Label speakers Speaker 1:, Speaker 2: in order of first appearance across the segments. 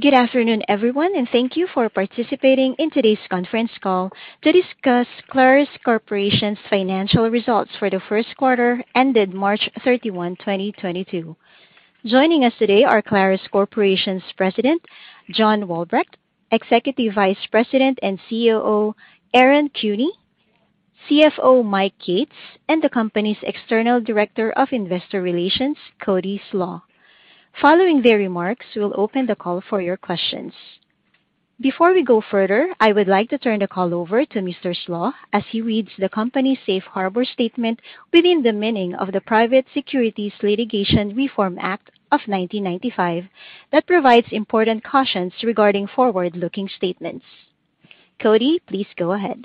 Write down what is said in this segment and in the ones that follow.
Speaker 1: Good afternoon, everyone, and thank you for participating in today's conference call to discuss Clarus Corporation's financial results for the first quarter ended March 31, 2022. Joining us today are Clarus Corporation's President, John Walbrecht, Executive Vice President and COO, Aaron Kuehne, CFO, Mike Yates, and the company's External Director of Investor Relations, Cody Slach. Following their remarks, we'll open the call for your questions. Before we go further, I would like to turn the call over to Mr. Slach as he reads the company's safe harbor statement within the meaning of the Private Securities Litigation Reform Act of 1995 that provides important cautions regarding forward-looking statements. Cody, please go ahead.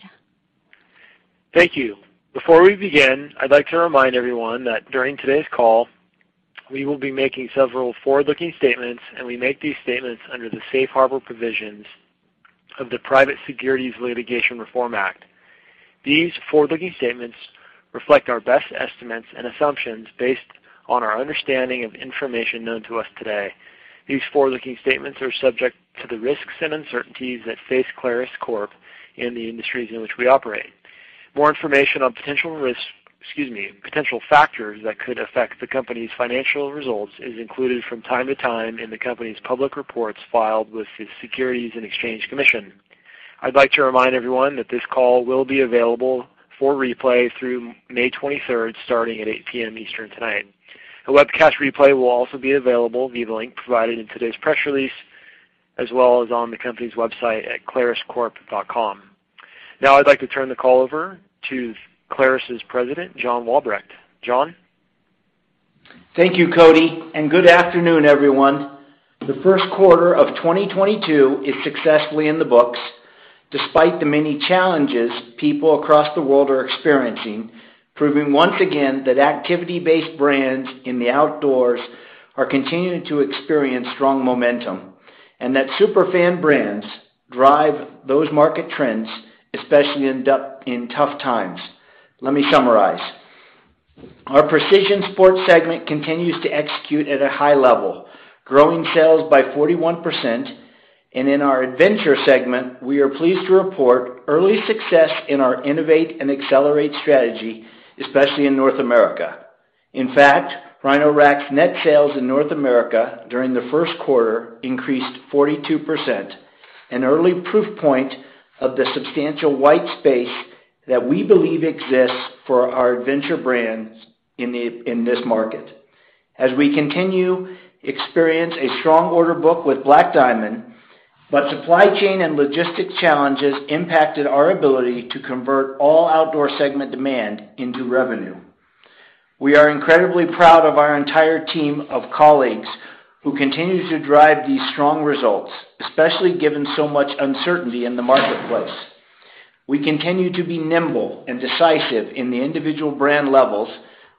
Speaker 2: Thank you. Before we begin, I'd like to remind everyone that during today's call, we will be making several forward-looking statements, and we make these statements under the safe harbor provisions of the Private Securities Litigation Reform Act. These forward-looking statements reflect our best estimates and assumptions based on our understanding of information known to us today. These forward-looking statements are subject to the risks and uncertainties that face Clarus Corp in the industries in which we operate. More information on potential factors that could affect the company's financial results is included from time to time in the company's public reports filed with the Securities and Exchange Commission. I'd like to remind everyone that this call will be available for replay through May 23rd, starting at 8 P.M. Eastern tonight. A webcast replay will also be available via the link provided in today's press release, as well as on the company's website at claruscorp.com. Now I'd like to turn the call over to Clarus's President, John Walbrecht. John?
Speaker 3: Thank you, Cody, and good afternoon, everyone. The first quarter of 2022 is successfully in the books, despite the many challenges people across the world are experiencing, proving once again that activity-based brands in the outdoors are continuing to experience strong momentum and that super fan brands drive those market trends, especially in tough times. Let me summarize. Our Precision Sport segment continues to execute at a high level, growing sales by 41%. In our Adventure segment, we are pleased to report early success in our innovate and accelerate strategy, especially in North America. In fact, Rhino-Rack's net sales in North America during the first quarter increased 42%, an early proof point of the substantial white space that we believe exists for our Adventure brands in this market. As we continue to experience a strong order book with Black Diamond, but supply chain and logistics challenges impacted our ability to convert all outdoor segment demand into revenue. We are incredibly proud of our entire team of colleagues who continue to drive these strong results, especially given so much uncertainty in the marketplace. We continue to be nimble and decisive in the individual brand levels,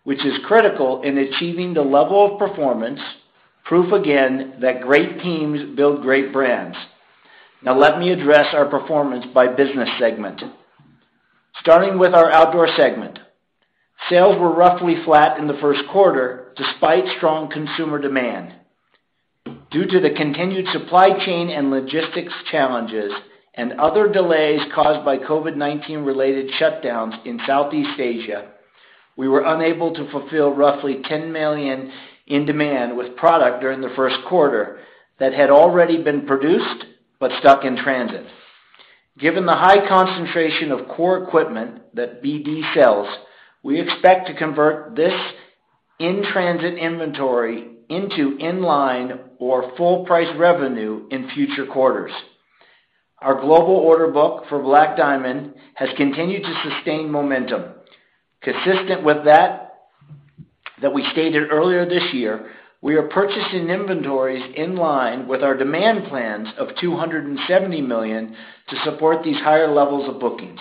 Speaker 3: which is critical in achieving the level of performance, proof again, that great teams build great brands. Now let me address our performance by business segment. Starting with our Outdoor segment. Sales were roughly flat in the first quarter despite strong consumer demand. Due to the continued supply chain and logistics challenges and other delays caused by COVID-19 related shutdowns in Southeast Asia, we were unable to fulfill roughly $10 million in demand with product during the first quarter that had already been produced but stuck in transit. Given the high concentration of core equipment that BD sells, we expect to convert this in-transit inventory into in-line or full price revenue in future quarters. Our global order book for Black Diamond has continued to sustain momentum. Consistent with that we stated earlier this year, we are purchasing inventories in line with our demand plans of $270 million to support these higher levels of bookings.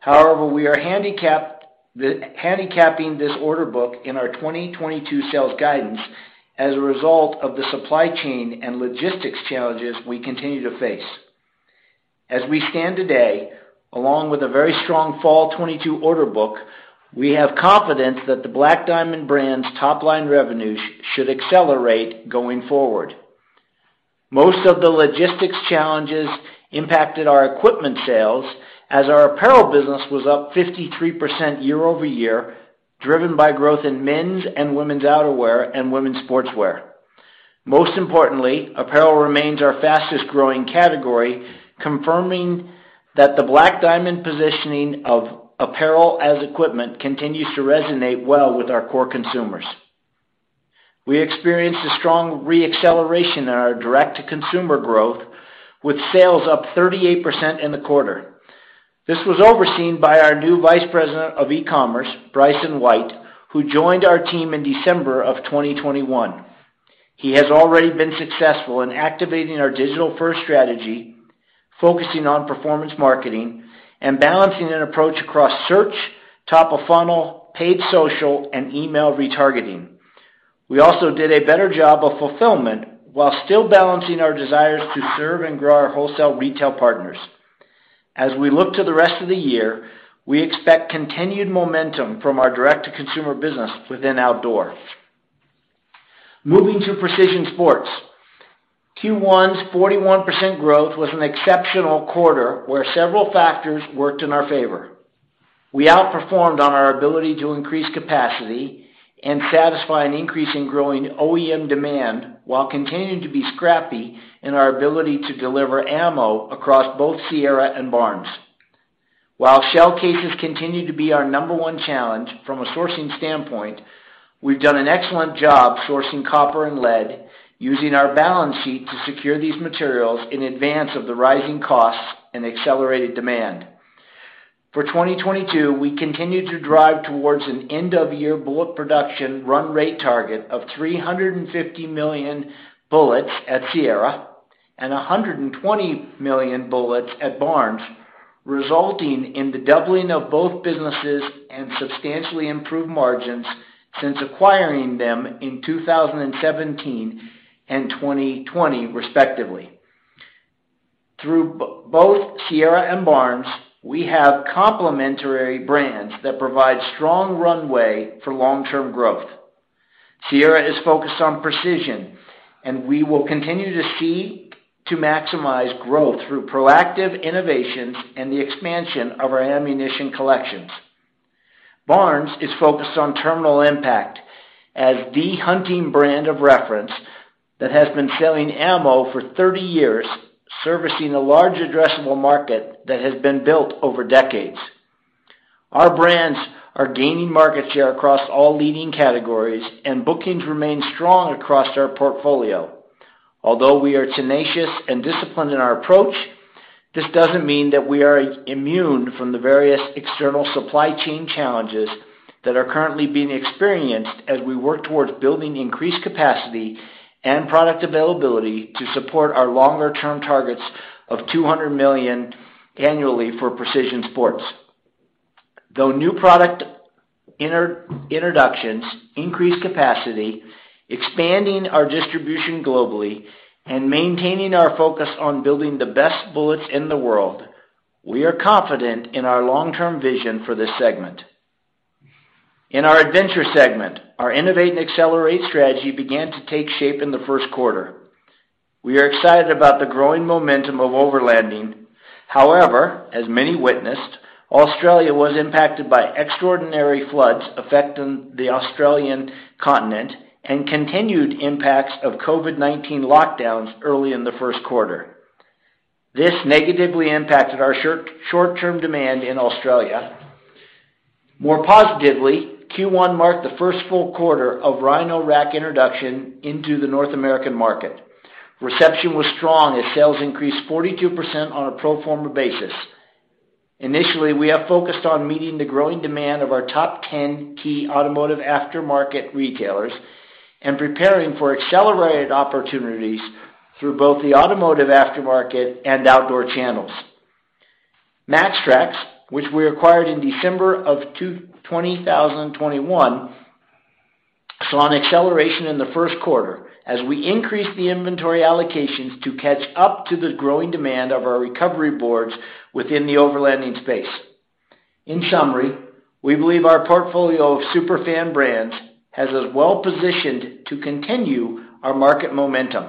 Speaker 3: However, we are handicapping this order book in our 2022 sales guidance as a result of the supply chain and logistics challenges we continue to face. As we stand today, along with a very strong fall 2022 order book, we have confidence that the Black Diamond brand's top-line revenues should accelerate going forward. Most of the logistics challenges impacted our equipment sales as our apparel business was up 53% year-over-year, driven by growth in men's and women's outerwear and women's sportswear. Most importantly, apparel remains our fastest-growing category, confirming that the Black Diamond positioning of apparel as equipment continues to resonate well with our core consumers. We experienced a strong re-acceleration in our direct-to-consumer growth with sales up 38% in the quarter. This was overseen by our new Vice President of Ecommerce, Bryson White, who joined our team in December 2021. He has already been successful in activating our digital-first strategy, focusing on performance marketing and balancing an approach across search, top of funnel, paid social, and email retargeting. We also did a better job of fulfillment while still balancing our desires to serve and grow our wholesale retail partners. As we look to the rest of the year, we expect continued momentum from our direct-to-consumer business within outdoor. Moving to Precision Sport, Q1's 41% growth was an exceptional quarter where several factors worked in our favor. We outperformed on our ability to increase capacity and satisfy an increase in growing OEM demand while continuing to be scrappy in our ability to deliver ammo across both Sierra and Barnes. While shell cases continue to be our number one challenge from a sourcing standpoint, we've done an excellent job sourcing copper and lead using our balance sheet to secure these materials in advance of the rising costs and accelerated demand. For 2022, we continue to drive towards an end-of-year bullet production run rate target of 350 million bullets at Sierra and 120 million bullets at Barnes, resulting in the doubling of both businesses and substantially improved margins since acquiring them in 2017 and 2020 respectively. Through both Sierra and Barnes, we have complementary brands that provide strong runway for long-term growth. Sierra is focused on precision, and we will continue to seek to maximize growth through proactive innovations and the expansion of our ammunition collections. Barnes is focused on terminal impact as the hunting brand of reference that has been selling ammo for 30 years, servicing a large addressable market that has been built over decades. Our brands are gaining market share across all leading categories, and bookings remain strong across our portfolio. Although we are tenacious and disciplined in our approach, this doesn't mean that we are immune from the various external supply chain challenges that are currently being experienced as we work towards building increased capacity and product availability to support our longer-term targets of $200 million annually for Precision Sport. New product introductions increase capacity, expanding our distribution globally, and maintaining our focus on building the best bullets in the world, we are confident in our long-term vision for this segment. In our Adventure segment, our innovate and accelerate strategy began to take shape in the first quarter. We are excited about the growing momentum of overlanding. However, as many witnessed, Australia was impacted by extraordinary floods affecting the Australian continent and continued impacts of COVID-19 lockdowns early in the first quarter. This negatively impacted our short-term demand in Australia. More positively, Q1 marked the first full quarter of Rhino-Rack introduction into the North American market. Reception was strong as sales increased 42% on a pro forma basis. Initially, we have focused on meeting the growing demand of our top 10 key automotive aftermarket retailers and preparing for accelerated opportunities through both the automotive aftermarket and outdoor channels. MAXTRAX, which we acquired in December 2021, saw an acceleration in the first quarter as we increased the inventory allocations to catch up to the growing demand of our recovery boards within the overlanding space. In summary, we believe our portfolio of super fan brands has us well positioned to continue our market momentum.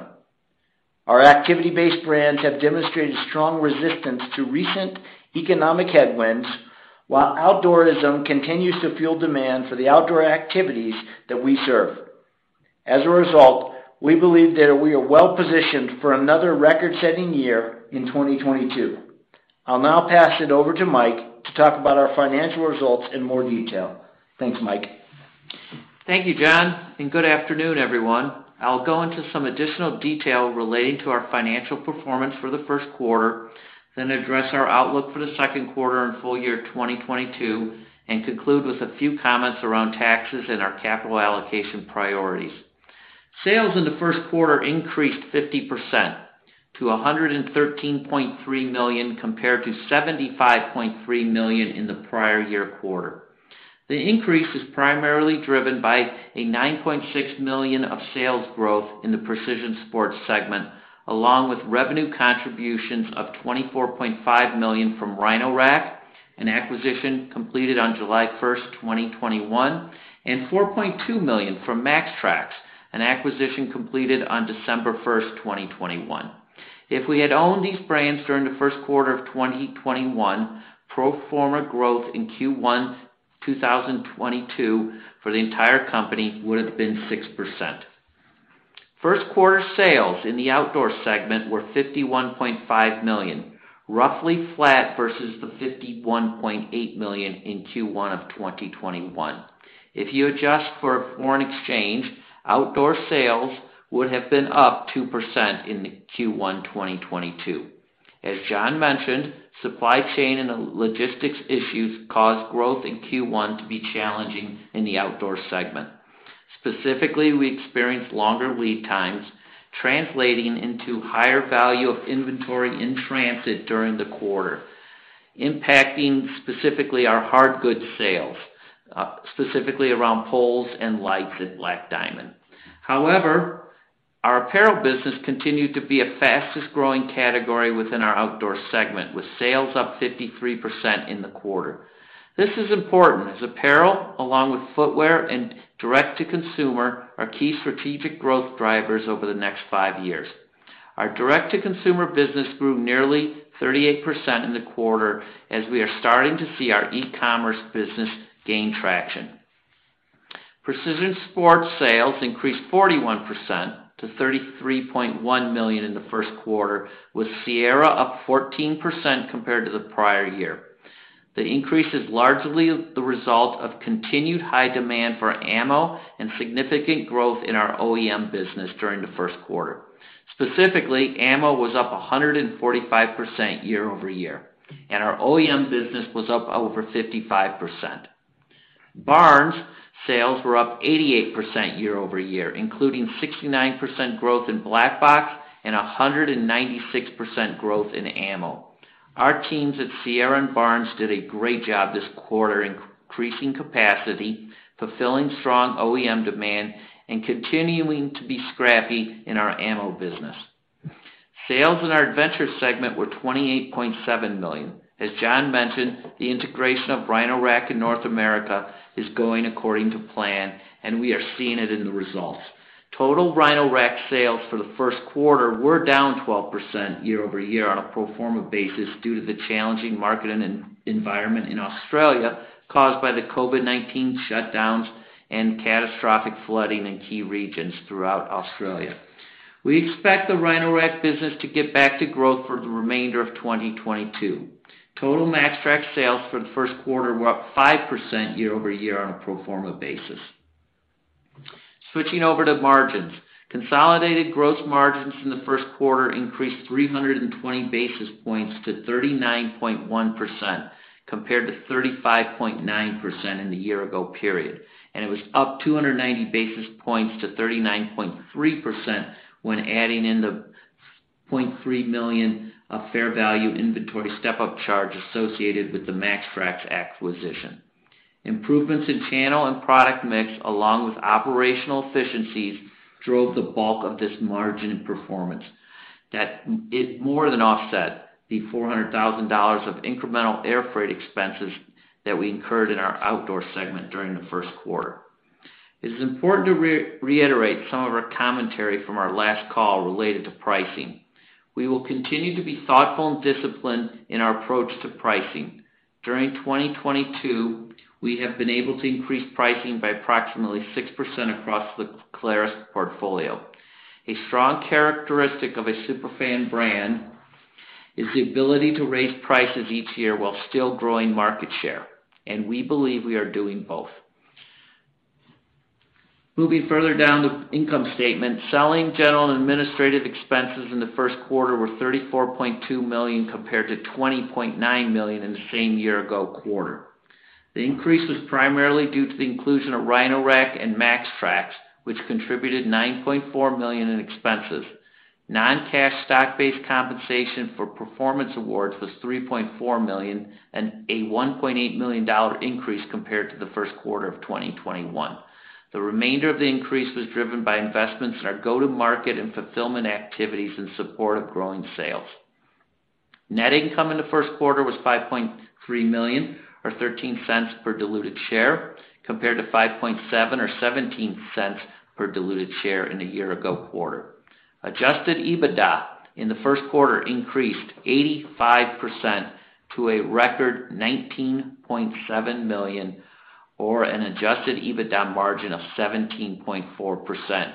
Speaker 3: Our activity-based brands have demonstrated strong resistance to recent economic headwinds, while outdoorism continues to fuel demand for the outdoor activities that we serve. As a result, we believe that we are well positioned for another record-setting year in 2022. I'll now pass it over to Mike to talk about our financial results in more detail. Thanks, Mike.
Speaker 4: Thank you, John, and good afternoon, everyone. I'll go into some additional detail relating to our financial performance for the first quarter, then address our outlook for the second quarter and full year 2022, and conclude with a few comments around taxes and our capital allocation priorities. Sales in the first quarter increased 50% to $113.3 million compared to $75.3 million in the prior year quarter. The increase is primarily driven by a $9.6 million of sales growth in the Precision Sport segment, along with revenue contributions of $24.5 million from Rhino-Rack, an acquisition completed on July first, 2021, and $4.2 million from MAXTRAX, an acquisition completed on December first, 2021. If we had owned these brands during the first quarter of 2021, pro forma growth in Q1 2022 for the entire company would have been 6%. First quarter sales in the Outdoor segment were $51.5 million, roughly flat versus the $51.8 million in Q1 of 2021. If you adjust for foreign exchange, outdoor sales would have been up 2% in Q1 2022. As John mentioned, supply chain and logistics issues caused growth in Q1 to be challenging in the Outdoor segment. Specifically, we experienced longer lead times, translating into higher value of inventory in transit during the quarter, impacting specifically our hard goods sales, specifically around poles and lights at Black Diamond. However, our apparel business continued to be the fastest-growing category within our outdoor segment, with sales up 53% in the quarter. This is important as apparel, along with footwear and direct-to-consumer, are key strategic growth drivers over the next 5 years. Our direct-to-consumer business grew nearly 38% in the quarter as we are starting to see our e-commerce business gain traction. Precision Sport sales increased 41% to $33.1 million in the first quarter, with Sierra up 14% compared to the prior year. The increase is largely the result of continued high demand for ammo and significant growth in our OEM business during the first quarter. Specifically, ammo was up 145% year-over-year, and our OEM business was up over 55%. Barnes sales were up 88% year-over-year, including 69% growth in Black Box and 196% growth in ammo. Our teams at Sierra and Barnes did a great job this quarter increasing capacity, fulfilling strong OEM demand, and continuing to be scrappy in our ammo business. Sales in our adventure segment were $28.7 million. As John mentioned, the integration of Rhino-Rack in North America is going according to plan, and we are seeing it in the results. Total Rhino-Rack sales for the first quarter were down 12% year-over-year on a pro forma basis due to the challenging market and environment in Australia, caused by the COVID-19 shutdowns and catastrophic flooding in key regions throughout Australia. We expect the Rhino-Rack business to get back to growth for the remainder of 2022. Total MAXTRAX sales for the first quarter were up 5% year-over-year on a pro forma basis. Switching over to margins. Consolidated gross margins in the first quarter increased 320 basis points to 39.1%, compared to 35.9% in the year ago period. It was up 290 basis points to 39.3% when adding in the $0.3 million of fair value inventory step-up charge associated with the MAXTRAX acquisition. Improvements in channel and product mix, along with operational efficiencies, drove the bulk of this margin performance that it more than offset the $400,000 of incremental air freight expenses that we incurred in our outdoor segment during the first quarter. It is important to reiterate some of our commentary from our last call related to pricing. We will continue to be thoughtful and disciplined in our approach to pricing. During 2022, we have been able to increase pricing by approximately 6% across the Clarus portfolio. A strong characteristic of a super fan brand is the ability to raise prices each year while still growing market share, and we believe we are doing both. Moving further down the income statement, selling general and administrative expenses in the first quarter were $34.2 million compared to $20.9 million in the same year-ago quarter. The increase was primarily due to the inclusion of Rhino-Rack and MAXTRAX, which contributed $9.4 million in expenses. Non-cash stock-based compensation for performance awards was $3.4 million, and a $1.8 million increase compared to the first quarter of 2021. The remainder of the increase was driven by investments in our go-to-market and fulfillment activities in support of growing sales. Net income in the first quarter was $5.3 million or $0.13 per diluted share, compared to $5.7 million or $0.17 per diluted share in the year-ago quarter. Adjusted EBITDA in the first quarter increased 85% to a record $19.7 million or an Adjusted EBITDA margin of 17.4%.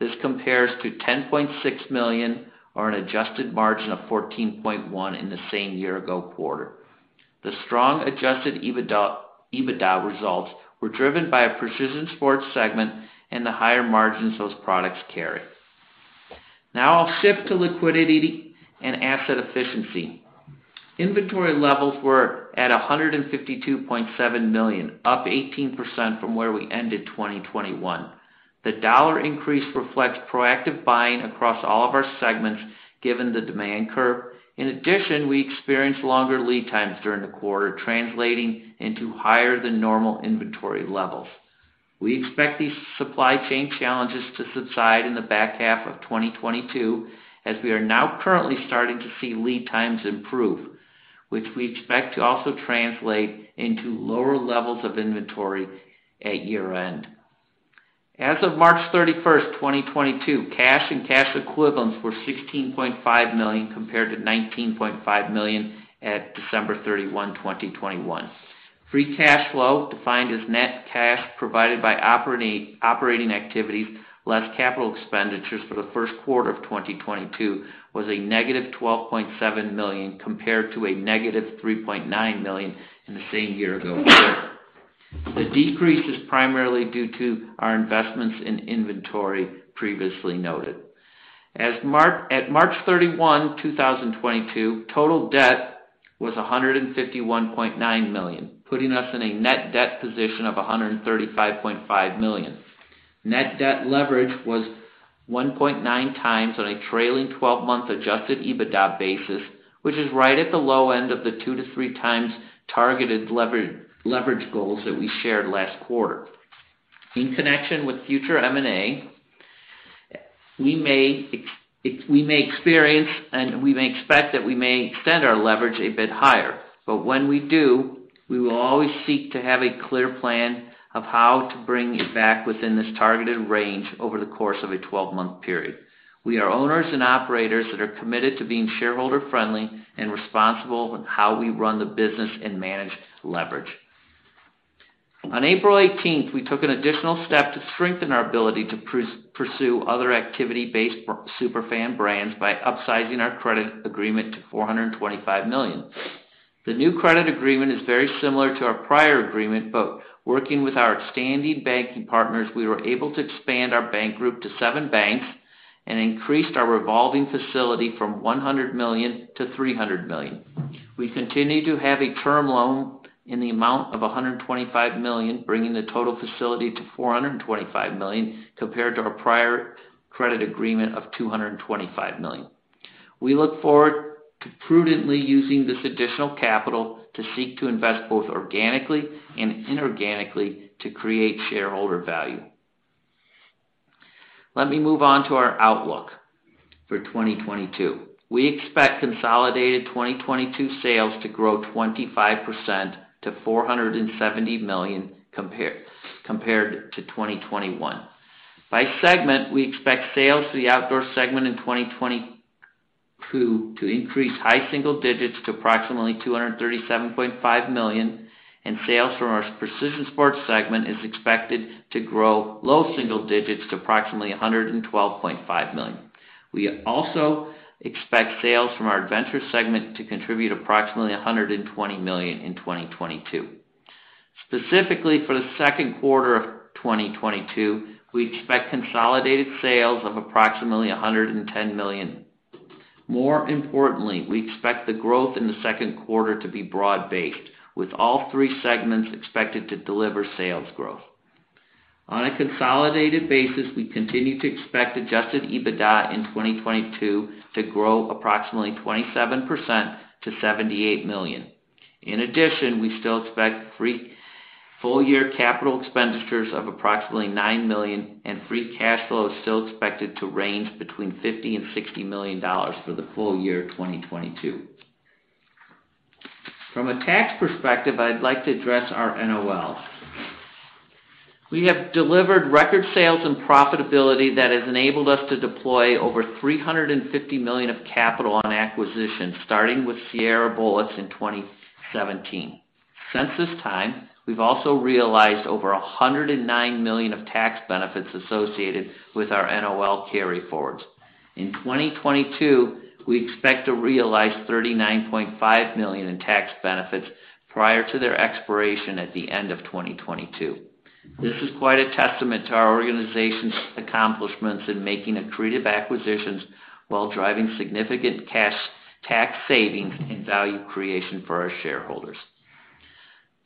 Speaker 4: This compares to $10.6 million or an adjusted margin of 14.1% in the same year-ago quarter. The strong Adjusted EBITDA results were driven by a Precision Sport segment and the higher margins those products carry. Now I'll shift to liquidity and asset efficiency. Inventory levels were at $152.7 million, up 18% from where we ended 2021. The dollar increase reflects proactive buying across all of our segments, given the demand curve. In addition, we experienced longer lead times during the quarter, translating into higher than normal inventory levels. We expect these supply chain challenges to subside in the back half of 2022, as we are now currently starting to see lead times improve, which we expect to also translate into lower levels of inventory at year-end. As of March 31, 2022, cash and cash equivalents were $16.5 million, compared to $19.5 million at December 31, 2021. Free cash flow, defined as net cash provided by operating activities less capital expenditures for the first quarter of 2022, was -$12.7 million compared to -$3.9 million in the same year ago quarter. The decrease is primarily due to our investments in inventory previously noted. At March 31, 2022, total debt was $151.9 million, putting us in a net debt position of $135.5 million. Net debt leverage was 1.9x on a trailing 12-month Adjusted EBITDA basis, which is right at the low end of the 2-3x targeted leverage goals that we shared last quarter. In connection with future M&A, we may experience and expect that we may extend our leverage a bit higher, but when we do, we will always seek to have a clear plan of how to bring it back within this targeted range over the course of a 12-month period. We are owners and operators that are committed to being shareholder-friendly and responsible with how we run the business and manage leverage. On April 18th, we took an additional step to strengthen our ability to pursue other activity-based Superfan brands by upsizing our credit agreement to $425 million. The new credit agreement is very similar to our prior agreement, but working with our standing banking partners, we were able to expand our bank group to seven banks and increased our revolving facility from $100 million to $300 million. We continue to have a term loan in the amount of $125 million, bringing the total facility to $425 million compared to our prior credit agreement of $225 million. We look forward to prudently using this additional capital to seek to invest both organically and inorganically to create shareholder value. Let me move on to our outlook for 2022. We expect consolidated 2022 sales to grow 25% to $470 million compared to 2021. By segment, we expect sales to the outdoor segment in 2022 to increase high single digits% to approximately $237.5 million, and sales from our Precision Sport segment is expected to grow low single digits% to approximately $112.5 million. We also expect sales from our adventure segment to contribute approximately $120 million in 2022. Specifically, for the second quarter of 2022, we expect consolidated sales of approximately $110 million. More importantly, we expect the growth in the second quarter to be broad-based, with all three segments expected to deliver sales growth. On a consolidated basis, we continue to expect Adjusted EBITDA in 2022 to grow approximately 27% to $78 million. In addition, we still expect full-year capital expenditures of approximately $9 million and free cash flow is still expected to range between $50 million and $60 million for the full year 2022. From a tax perspective, I'd like to address our NOL. We have delivered record sales and profitability that has enabled us to deploy over $350 million of capital on acquisitions, starting with Sierra Bullets in 2017. Since this time, we've also realized over $109 million of tax benefits associated with our NOL carryforwards. In 2022, we expect to realize $39.5 million in tax benefits prior to their expiration at the end of 2022. This is quite a testament to our organization's accomplishments in making accretive acquisitions while driving significant cash tax savings and value creation for our shareholders.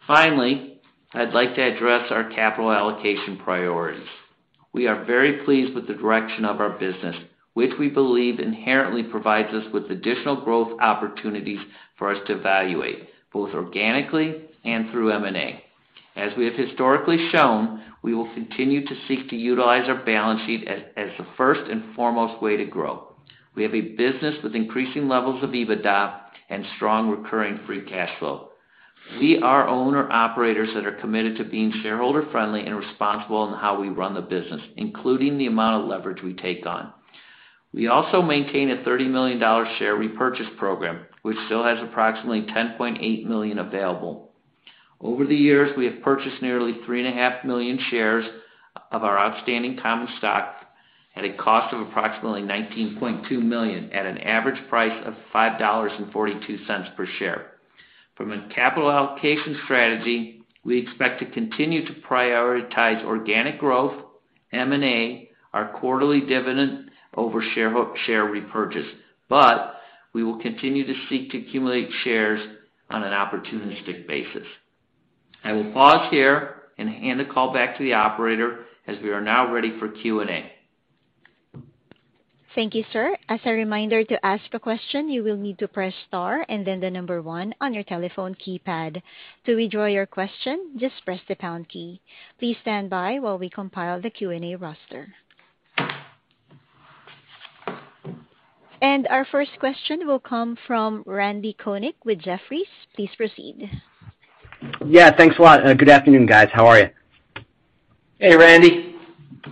Speaker 4: Finally, I'd like to address our capital allocation priorities. We are very pleased with the direction of our business, which we believe inherently provides us with additional growth opportunities for us to evaluate, both organically and through M&A. As we have historically shown, we will continue to seek to utilize our balance sheet as the first and foremost way to grow. We have a business with increasing levels of EBITDA and strong recurring free cash flow. We are owner operators that are committed to being shareholder-friendly and responsible in how we run the business, including the amount of leverage we take on. We also maintain a $30 million share repurchase program, which still has approximately $10.8 million available. Over the years, we have purchased nearly 3.5 million shares of our outstanding common stock at a cost of approximately $19.2 million at an average price of $5.42 per share. From a capital allocation strategy, we expect to continue to prioritize organic growth, M&A, our quarterly dividend over share repurchase, but we will continue to seek to accumulate shares on an opportunistic basis. I will pause here and hand the call back to the operator as we are now ready for Q&A.
Speaker 1: Thank you, sir. As a reminder, to ask a question, you will need to press star and then the number one on your telephone keypad. To withdraw your question, just press the pound key. Please stand by while we compile the Q&A roster. Our first question will come from Randy Konik with Jefferies. Please proceed.
Speaker 5: Yeah, thanks a lot, and good afternoon, guys. How are you?
Speaker 4: Hey, Randy.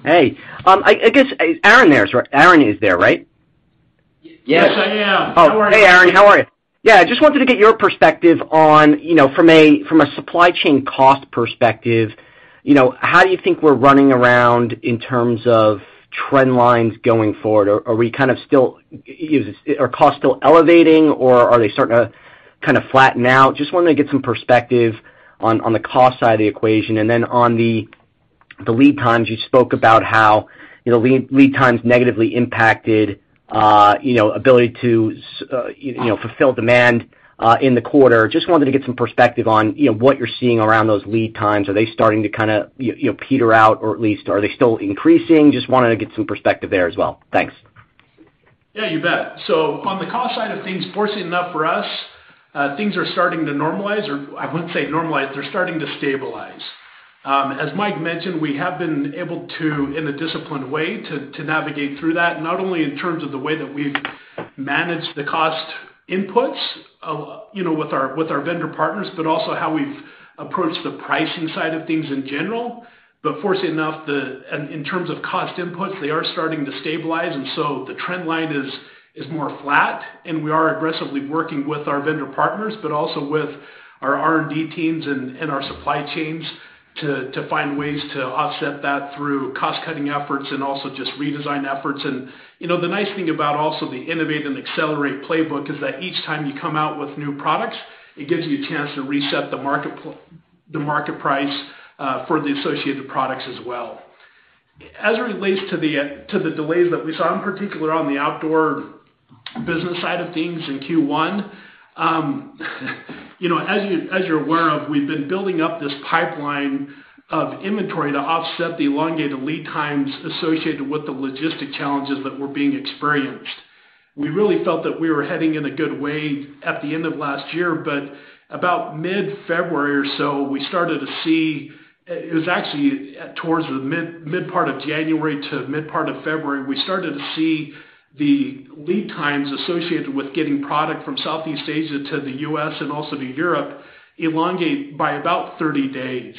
Speaker 5: Hey. I guess Aaron is there, right?
Speaker 6: Yes, I am.
Speaker 5: Oh, hey, Aaron. How are you? Yeah, I just wanted to get your perspective on, you know, from a supply chain cost perspective, you know, how do you think we're running around in terms of trend lines going forward? Are costs still elevating, or are they starting to kind of flatten out? Just wanted to get some perspective on the cost side of the equation. Then on the lead times, you spoke about how, you know, lead times negatively impacted, you know, fulfill demand in the quarter. Just wanted to get some perspective on what you're seeing around those lead times. Are they starting to kinda you know peter out, or at least are they still increasing? Just wanted to get some perspective there as well. Thanks.
Speaker 6: Yeah, you bet. On the cost side of things, fortunately enough for us, things are starting to normalize. Or I wouldn't say normalize, they're starting to stabilize. As Mike mentioned, we have been able to, in a disciplined way, to navigate through that, not only in terms of the way that we've managed the cost inputs, you know, with our vendor partners, but also how we've approached the pricing side of things in general. Fortunately enough, in terms of cost inputs, they are starting to stabilize, and the trend line is more flat, and we are aggressively working with our vendor partners, but also with our R&D teams and our supply chains to find ways to offset that through cost-cutting efforts and also just redesign efforts. You know, the nice thing about also the innovate and accelerate playbook is that each time you come out with new products, it gives you a chance to reset the market price for the associated products as well. As it relates to the delays that we saw, in particular on the outdoor business side of things in Q1, you know, as you, as you're aware of, we've been building up this pipeline of inventory to offset the elongated lead times associated with the logistic challenges that were being experienced. We really felt that we were heading in a good way at the end of last year, but about mid-February or so. It was actually towards the mid part of January to mid part of February, we started to see the lead times associated with getting product from Southeast Asia to the U.S. and also to Europe elongate by about 30 days.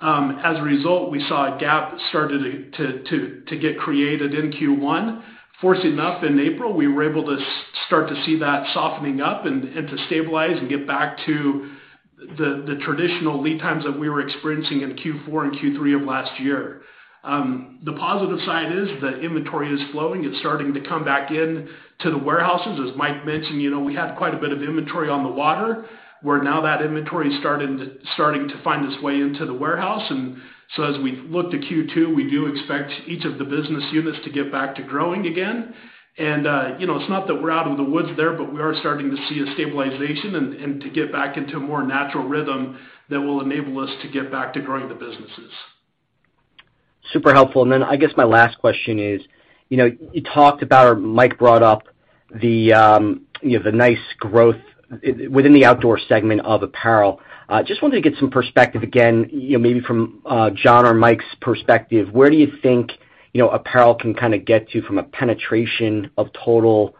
Speaker 6: As a result, we saw a gap started to get created in Q1. Fortunately enough, in April, we were able to start to see that softening up and to stabilize and get back to the traditional lead times that we were experiencing in Q4 and Q3 of last year. The positive side is that inventory is flowing. It's starting to come back into the warehouses. As Mike mentioned, you know, we had quite a bit of inventory on the water, where now that inventory's starting to find its way into the warehouse. As we look to Q2, we do expect each of the business units to get back to growing again. You know, it's not that we're out of the woods there, but we are starting to see a stabilization and to get back into a more natural rhythm that will enable us to get back to growing the businesses.
Speaker 5: Super helpful. I guess my last question is, you know, you talked about, or Mike brought up, the, you know, the nice growth within the outdoor segment of apparel. Just wanted to get some perspective again, you know, maybe from John or Mike's perspective. Where do you think, you know, apparel can kind of get to from a penetration of total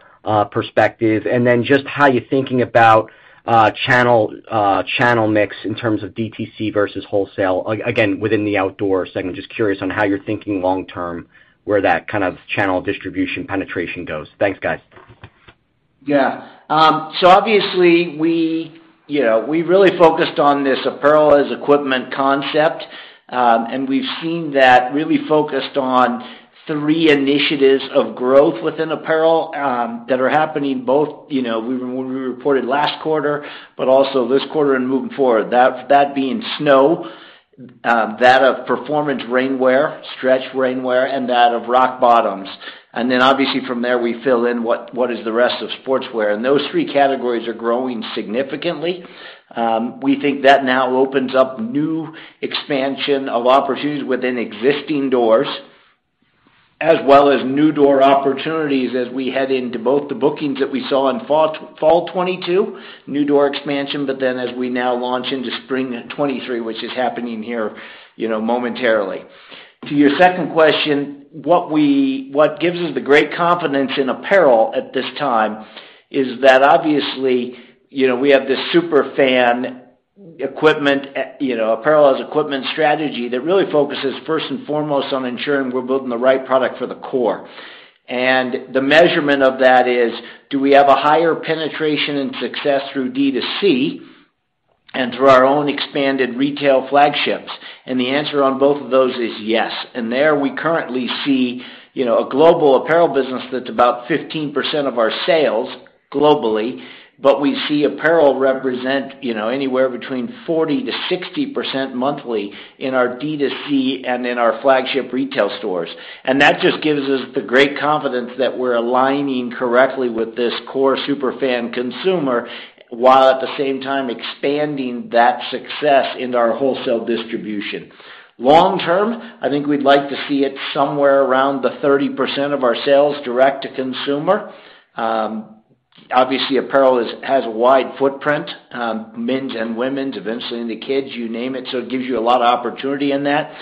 Speaker 5: perspective? Just how you're thinking about channel mix in terms of DTC versus wholesale, again, within the outdoor segment. Just curious on how you're thinking long term, where that kind of channel distribution penetration goes. Thanks, guys.
Speaker 3: Yeah. Obviously we, you know, we really focused on this apparel-as-equipment concept, and we've seen that really focused on three initiatives of growth within apparel, that are happening both, you know, when we reported last quarter, but also this quarter and moving forward, that being snow, that of performance rainwear, stretch rainwear, and that of rock bottoms. Obviously from there, we fill in what is the rest of sportswear. Those three categories are growing significantly. We think that now opens up new expansion of opportunities within existing doors, as well as new door opportunities as we head into both the bookings that we saw in fall 2022, new door expansion, but then as we now launch into spring 2023, which is happening here, you know, momentarily. To your second question, what gives us the great confidence in apparel at this time is that obviously, you know, we have this super fan equipment, you know, apparel-as-equipment strategy that really focuses first and foremost on ensuring we're building the right product for the core. The measurement of that is, do we have a higher penetration and success through D2C and through our own expanded retail flagships? The answer on both of those is yes. There we currently see, you know, a global apparel business that's about 15% of our sales globally, but we see apparel represent, you know, anywhere between 40%-60% monthly in our D2C and in our flagship retail stores. That just gives us the great confidence that we're aligning correctly with this core super fan consumer, while at the same time expanding that success into our wholesale distribution. Long term, I think we'd like to see it somewhere around the 30% of our sales direct-to-consumer. Obviously, apparel has a wide footprint, men's and women's, eventually into kids, you name it, so it gives you a lot of opportunity in that.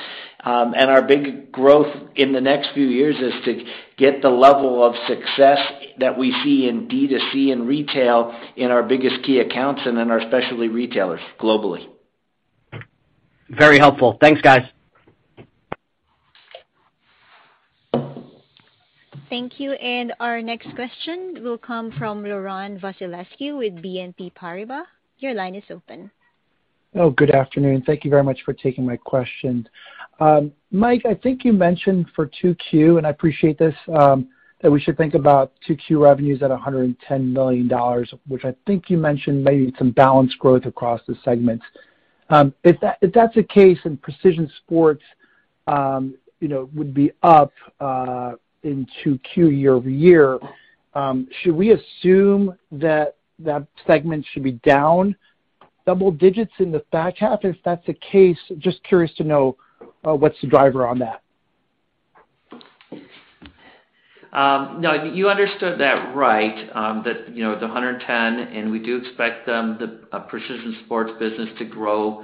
Speaker 3: Our big growth in the next few years is to get the level of success that we see in D2C and retail in our biggest key accounts and in our specialty retailers globally.
Speaker 5: Very helpful. Thanks, guys.
Speaker 1: Thank you. Our next question will come from Laurent Vasilescu with BNP Paribas. Your line is open.
Speaker 7: Oh, good afternoon. Thank you very much for taking my question. Mike, I think you mentioned for 2Q, and I appreciate this, that we should think about 2Q revenues at $110 million, which I think you mentioned may need some balanced growth across the segments. If that's the case and Precision Sport, you know, would be up in 2Q year-over-year, should we assume that that segment should be down double digits in the back half? If that's the case, just curious to know, what's the driver on that?
Speaker 4: No, you understood that right, that you know the $110, and we do expect the Precision Sport business to grow,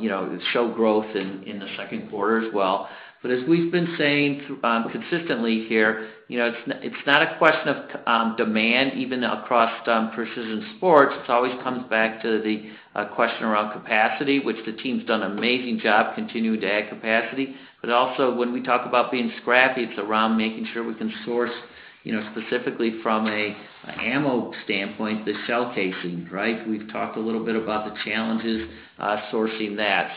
Speaker 4: you know, show growth in the second quarter as well. As we've been saying consistently here, you know, it's not a question of demand even across Precision Sport. It always comes back to the question around capacity, which the team's done an amazing job continuing to add capacity. When we talk about being scrappy, it's around making sure we can source, you know, specifically from an ammo standpoint, the shell casing, right? We've talked a little bit about the challenges sourcing that.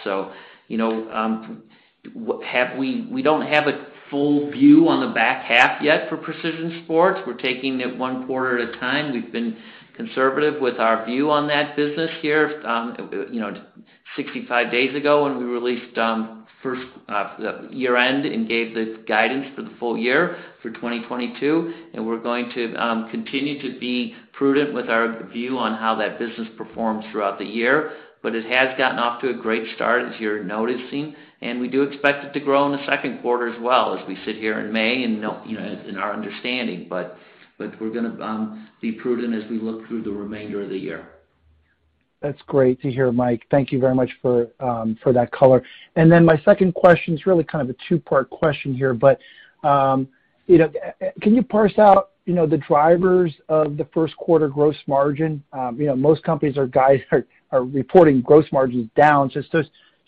Speaker 4: You know, we don't have a full view on the back half yet for Precision Sport. We're taking it one quarter at a time. We've been conservative with our view on that business here, 65 days ago when we released the year-end and gave the guidance for the full year for 2022. We're going to continue to be prudent with our view on how that business performs throughout the year. It has gotten off to a great start, as you're noticing, and we do expect it to grow in the second quarter as well as we sit here in May and know in our understanding. We're gonna be prudent as we look through the remainder of the year.
Speaker 7: That's great to hear, Mike. Thank you very much for that color. Then my second question is really kind of a two-part question here, but you know, can you parse out you know, the drivers of the first quarter gross margin? You know, most companies are reporting gross margins down. It's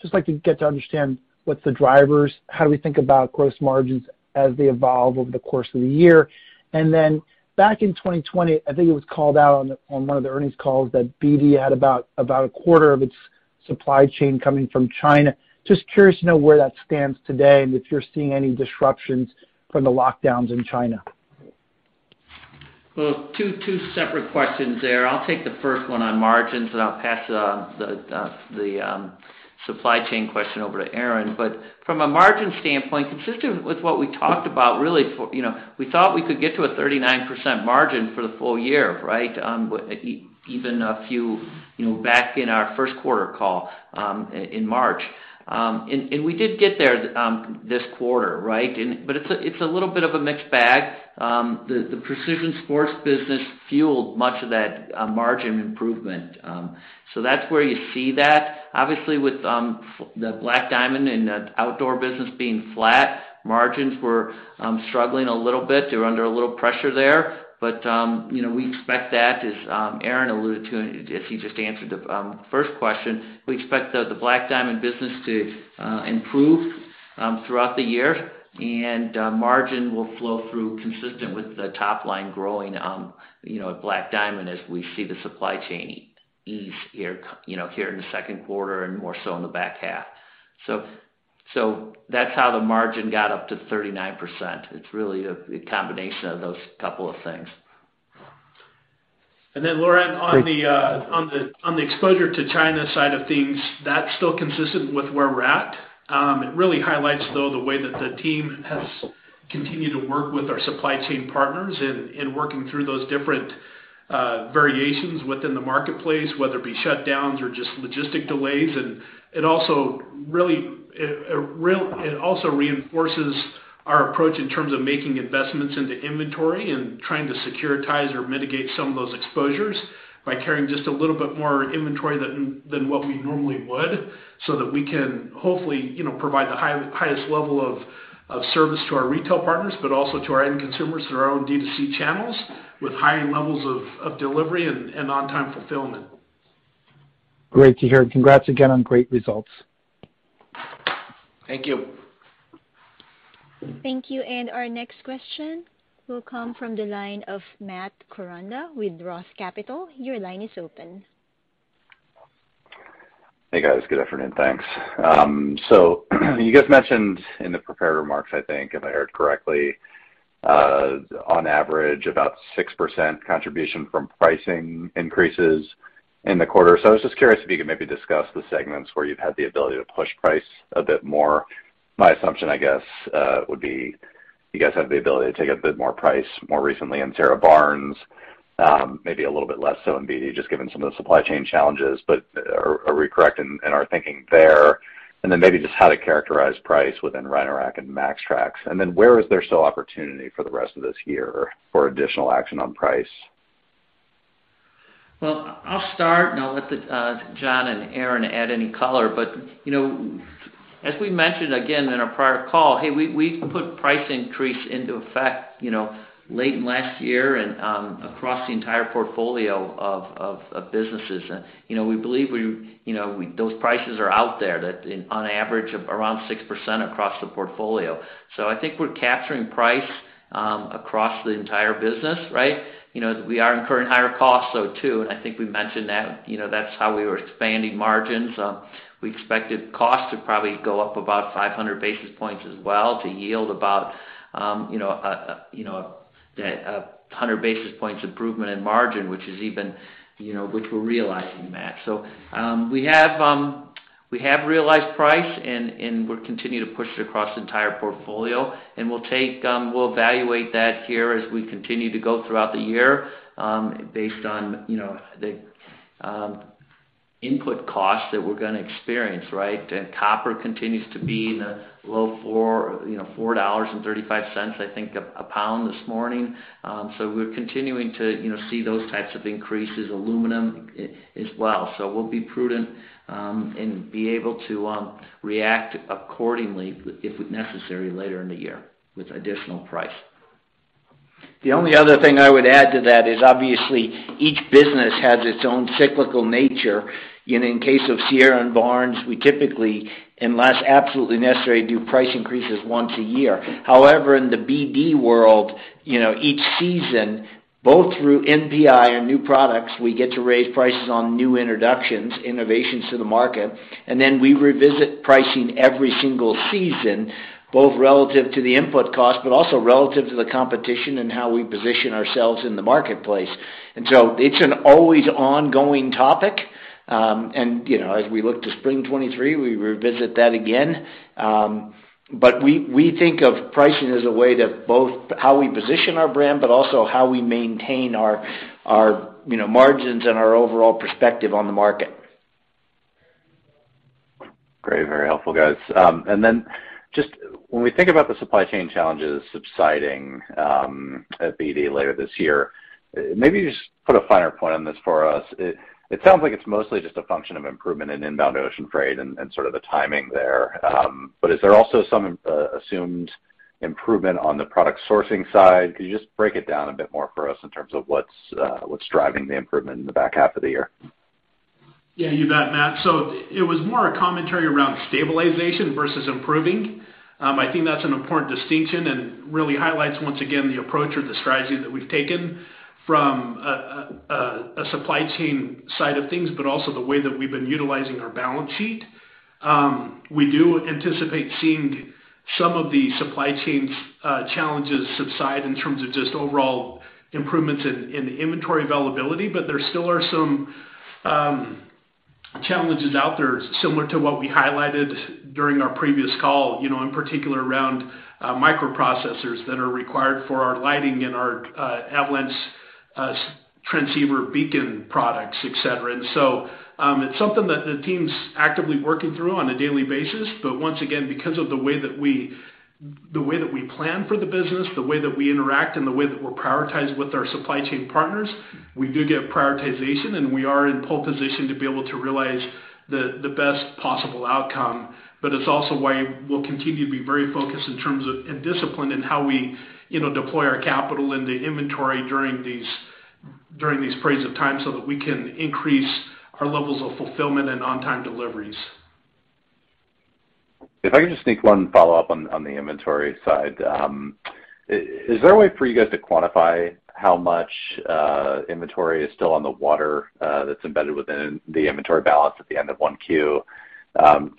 Speaker 7: just like to get to understand what's the drivers, how do we think about gross margins as they evolve over the course of the year. Then back in 2020, I think it was called out on one of the earnings calls that BD had about a quarter of its supply chain coming from China. Just curious to know where that stands today and if you're seeing any disruptions from the lockdowns in China.
Speaker 4: Well, two separate questions there. I'll take the first one on margins, and I'll pass the supply chain question over to Aaron. From a margin standpoint, consistent with what we talked about, really, you know, we thought we could get to a 39% margin for the full year, right? Even a few, you know, back in our first quarter call in March. We did get there this quarter, right? It's a little bit of a mixed bag. The Precision Sport business fueled much of that margin improvement. So that's where you see that. Obviously, with the Black Diamond and the outdoor business being flat, margins were struggling a little bit. They were under a little pressure there. You know, we expect that, as Aaron alluded to as he just answered the first question. We expect the Black Diamond business to improve throughout the year, and margin will flow through consistent with the top line growing, you know, at Black Diamond as we see the supply chain ease here, you know, here in the second quarter and more so in the back half. That's how the margin got up to 39%. It's really a combination of those couple of things.
Speaker 6: Loren, on the exposure to China side of things, that's still consistent with where we're at. It really highlights, though, the way that the team has continued to work with our supply chain partners in working through those different variations within the marketplace, whether it be shutdowns or just logistical delays. It also reinforces our approach in terms of making investments into inventory and trying to securitize or mitigate some of those exposures by carrying just a little bit more inventory than what we normally would, so that we can hopefully, you know, provide the highest level of service to our retail partners, but also to our end consumers through our own D2C channels with high levels of delivery and on-time fulfillment.
Speaker 7: Great to hear. Congrats again on great results.
Speaker 4: Thank you.
Speaker 1: Thank you. Our next question will come from the line of Matt Koranda with Roth Capital. Your line is open.
Speaker 8: Hey, guys. Good afternoon. Thanks. You guys mentioned in the prepared remarks, I think, if I heard correctly, on average about 6% contribution from pricing increases in the quarter. I was just curious if you could maybe discuss the segments where you've had the ability to push price a bit more. My assumption, I guess, would be you guys have the ability to take a bit more price more recently in Sierra, Barnes, maybe a little bit less so in BD, just given some of the supply chain challenges. Are we correct in our thinking there? Maybe just how to characterize price within Rhino-Rack and MAXTRAX. Where is there still opportunity for the rest of this year for additional action on price?
Speaker 4: Well, I'll start, and I'll let John Walbrecht and Aaron Kuehne add any color. You know, as we mentioned again in our prior call, hey, we put price increase into effect, you know, late last year and across the entire portfolio of businesses. You know, we believe those prices are out there that on average of around 6% across the portfolio. I think we're capturing price across the entire business, right? You know, we are incurring higher costs though, too, and I think we mentioned that. You know, that's how we were expanding margins. We expected costs to probably go up about 500 basis points as well to yield about a 100 basis points improvement in margin, which we're realizing, Matt. We have realized price and we're continuing to push it across the entire portfolio. We'll evaluate that here as we continue to go throughout the year, based on, you know, the input costs that we're gonna experience, right? Copper continues to be in the low $4, you know, $4.35, I think, a pound this morning. We're continuing to, you know, see those types of increases, aluminum as well. We'll be prudent and be able to react accordingly if necessary later in the year with additional price.
Speaker 3: The only other thing I would add to that is obviously each business has its own cyclical nature. You know, in case of Sierra and Barnes, we typically, unless absolutely necessary, do price increases once a year. However, in the BD world, you know, each season, both through NPI and new products, we get to raise prices on new introductions, innovations to the market, and then we revisit pricing every single season, both relative to the input cost, but also relative to the competition and how we position ourselves in the marketplace. It's an always ongoing topic. You know, as we look to spring 2023, we revisit that again. We think of pricing as a way to both how we position our brand, but also how we maintain our, you know, margins and our overall perspective on the market.
Speaker 8: Great. Very helpful, guys. Just when we think about the supply chain challenges subsiding at BD later this year, maybe just put a finer point on this for us. It sounds like it's mostly just a function of improvement in inbound ocean freight and sort of the timing there. Is there also some assumed improvement on the product sourcing side? Could you just break it down a bit more for us in terms of what's driving the improvement in the back half of the year?
Speaker 6: Yeah, you bet, Matt. It was more a commentary around stabilization versus improving. I think that's an important distinction and really highlights once again the approach or the strategy that we've taken from a supply chain side of things, but also the way that we've been utilizing our balance sheet. We do anticipate seeing some of the supply chain's challenges subside in terms of just overall improvements in inventory availability. There still are some challenges out there similar to what we highlighted during our previous call, you know, in particular around microprocessors that are required for our lighting and our avalanche transceiver beacon products, et cetera. It's something that the team's actively working through on a daily basis. Once again, because of the way that we plan for the business, the way that we interact, and the way that we're prioritized with our supply chain partners, we do get prioritization, and we are in pole position to be able to realize the best possible outcome. It's also why we'll continue to be very focused in terms of and disciplined in how we, you know, deploy our capital in the inventory during these periods of time so that we can increase our levels of fulfillment and on-time deliveries.
Speaker 8: If I could just sneak one follow-up on the inventory side. Is there a way for you guys to quantify how much inventory is still on the water that's embedded within the inventory balance at the end of 1Q?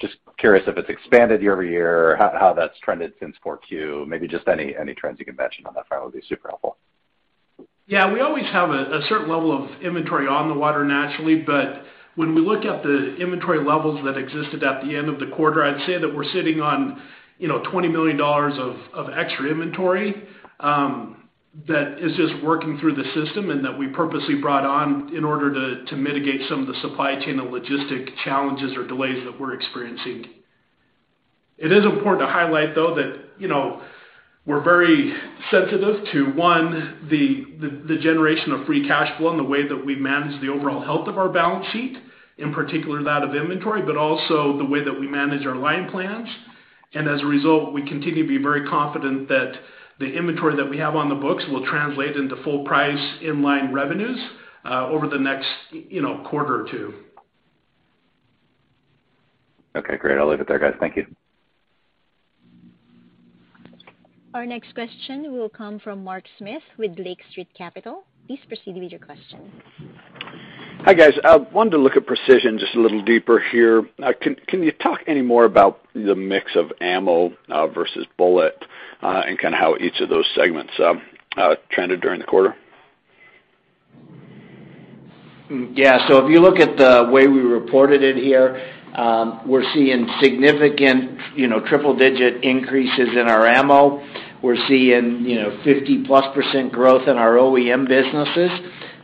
Speaker 8: Just curious if it's expanded year-over-year, how that's trended since 4Q. Maybe just any trends you can mention on that front would be super helpful.
Speaker 6: Yeah. We always have a certain level of inventory on the water naturally. When we look at the inventory levels that existed at the end of the quarter, I'd say that we're sitting on, you know, $20 million of extra inventory that is just working through the system and that we purposely brought on in order to mitigate some of the supply chain and logistics challenges or delays that we're experiencing. It is important to highlight though that, you know, we're very sensitive to, one, the generation of free cash flow and the way that we manage the overall health of our balance sheet, in particular that of inventory, but also the way that we manage our line plans. As a result, we continue to be very confident that the inventory that we have on the books will translate into full price in-line revenues, over the next, you know, quarter or two.
Speaker 8: Okay, great. I'll leave it there, guys. Thank you.
Speaker 1: Our next question will come from Mark Smith with Lake Street Capital Markets. Please proceed with your question.
Speaker 9: Hi, guys. I wanted to look at Precision just a little deeper here. Can you talk any more about the mix of ammo versus bullet and kind of how each of those segments trended during the quarter?
Speaker 3: Yeah. If you look at the way we reported it here, we're seeing significant, you know, triple-digit increases in our ammo. We're seeing, you know, 50%+ growth in our OEM businesses.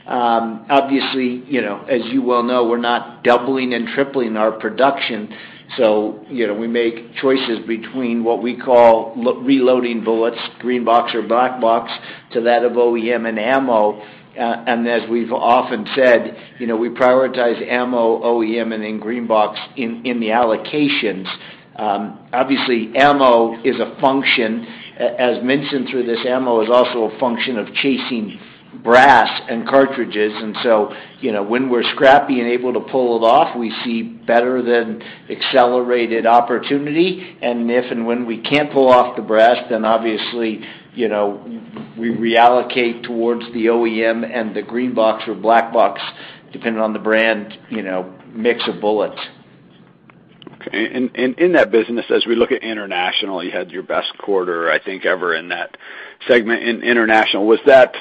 Speaker 3: Obviously, you know, as you well know, we're not doubling and tripling our production, so, you know, we make choices between what we call reloading bullets, Green Box or Black Box, to that of OEM and ammo. As we've often said, you know, we prioritize ammo, OEM, and then Green Box in the allocations. Obviously, ammo is a function. As mentioned through this, ammo is also a function of chasing brass and cartridges. You know, when we're scrappy and able to pull it off, we see better than accelerated opportunity. If and when we can't pull off the brass, then obviously, you know, we reallocate towards the OEM and the Green Box or Black Box, depending on the brand, you know, mix of bullets.
Speaker 9: Okay. In that business, as we look at international, you had your best quarter, I think, ever in that segment in international, was that,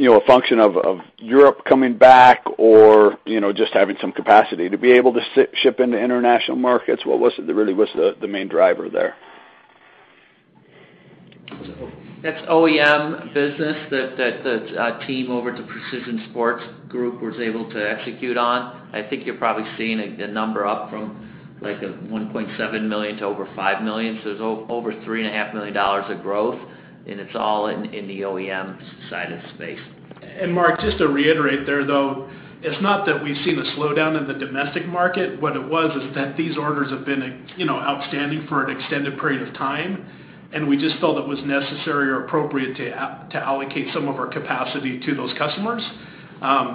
Speaker 9: you know, a function of Europe coming back or, you know, just having some capacity to be able to ship into international markets? What was really the main driver there?
Speaker 3: That's OEM business that team over at Precision Sport was able to execute on. I think you're probably seeing a number up from like a $1.7 million to over $5 million. There's over $3 and a half million of growth, and it's all in the OEM side of the space.
Speaker 6: Mark, just to reiterate there, though, it's not that we've seen a slowdown in the domestic market. What it was is that these orders have been, you know, outstanding for an extended period of time, and we just felt it was necessary or appropriate to allocate some of our capacity to those customers.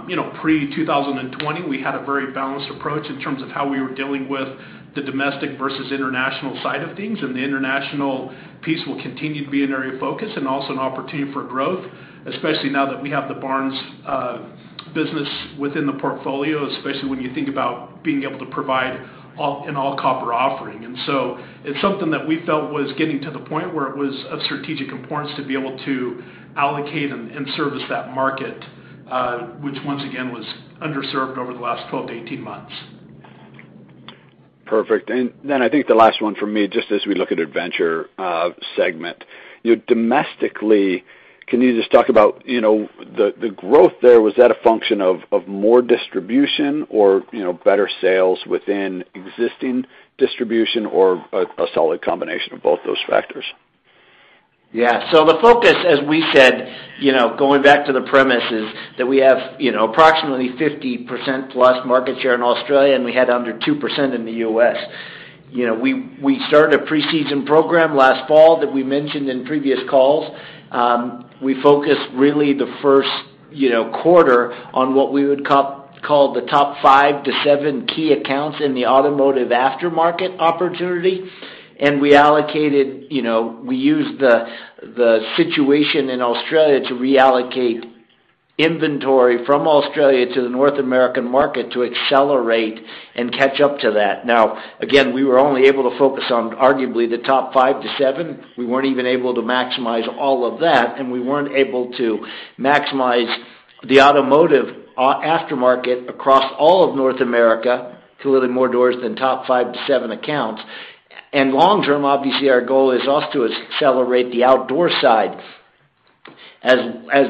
Speaker 6: You know, pre-2020, we had a very balanced approach in terms of how we were dealing with the domestic versus international side of things, and the international piece will continue to be an area of focus and also an opportunity for growth, especially now that we have the Barnes business within the portfolio, especially when you think about being able to provide an all-copper offering. It's something that we felt was getting to the point where it was of strategic importance to be able to allocate and service that market, which once again was underserved over the last 12-18 months.
Speaker 9: Perfect. Then I think the last one for me, just as we look at Adventure segment. You know, domestically, can you just talk about, you know, the growth there, was that a function of more distribution or, you know, better sales within existing distribution or a solid combination of both those factors?
Speaker 3: Yeah. The focus, as we said, you know, going back to the premise is that we have, you know, approximately 50% plus market share in Australia, and we had under 2% in the U.S. You know, we started a preseason program last fall that we mentioned in previous calls. We focused really the first, you know, quarter on what we would call the top 5-7 key accounts in the automotive aftermarket opportunity. We allocated, you know, we used the situation in Australia to reallocate inventory from Australia to the North American market to accelerate and catch up to that. Now, again, we were only able to focus on arguably the top 5-7. We weren't even able to maximize all of that, and we weren't able to maximize the automotive aftermarket across all of North America to a little more doors than top 5-7 accounts. Long term, obviously, our goal is also to accelerate the outdoor side. As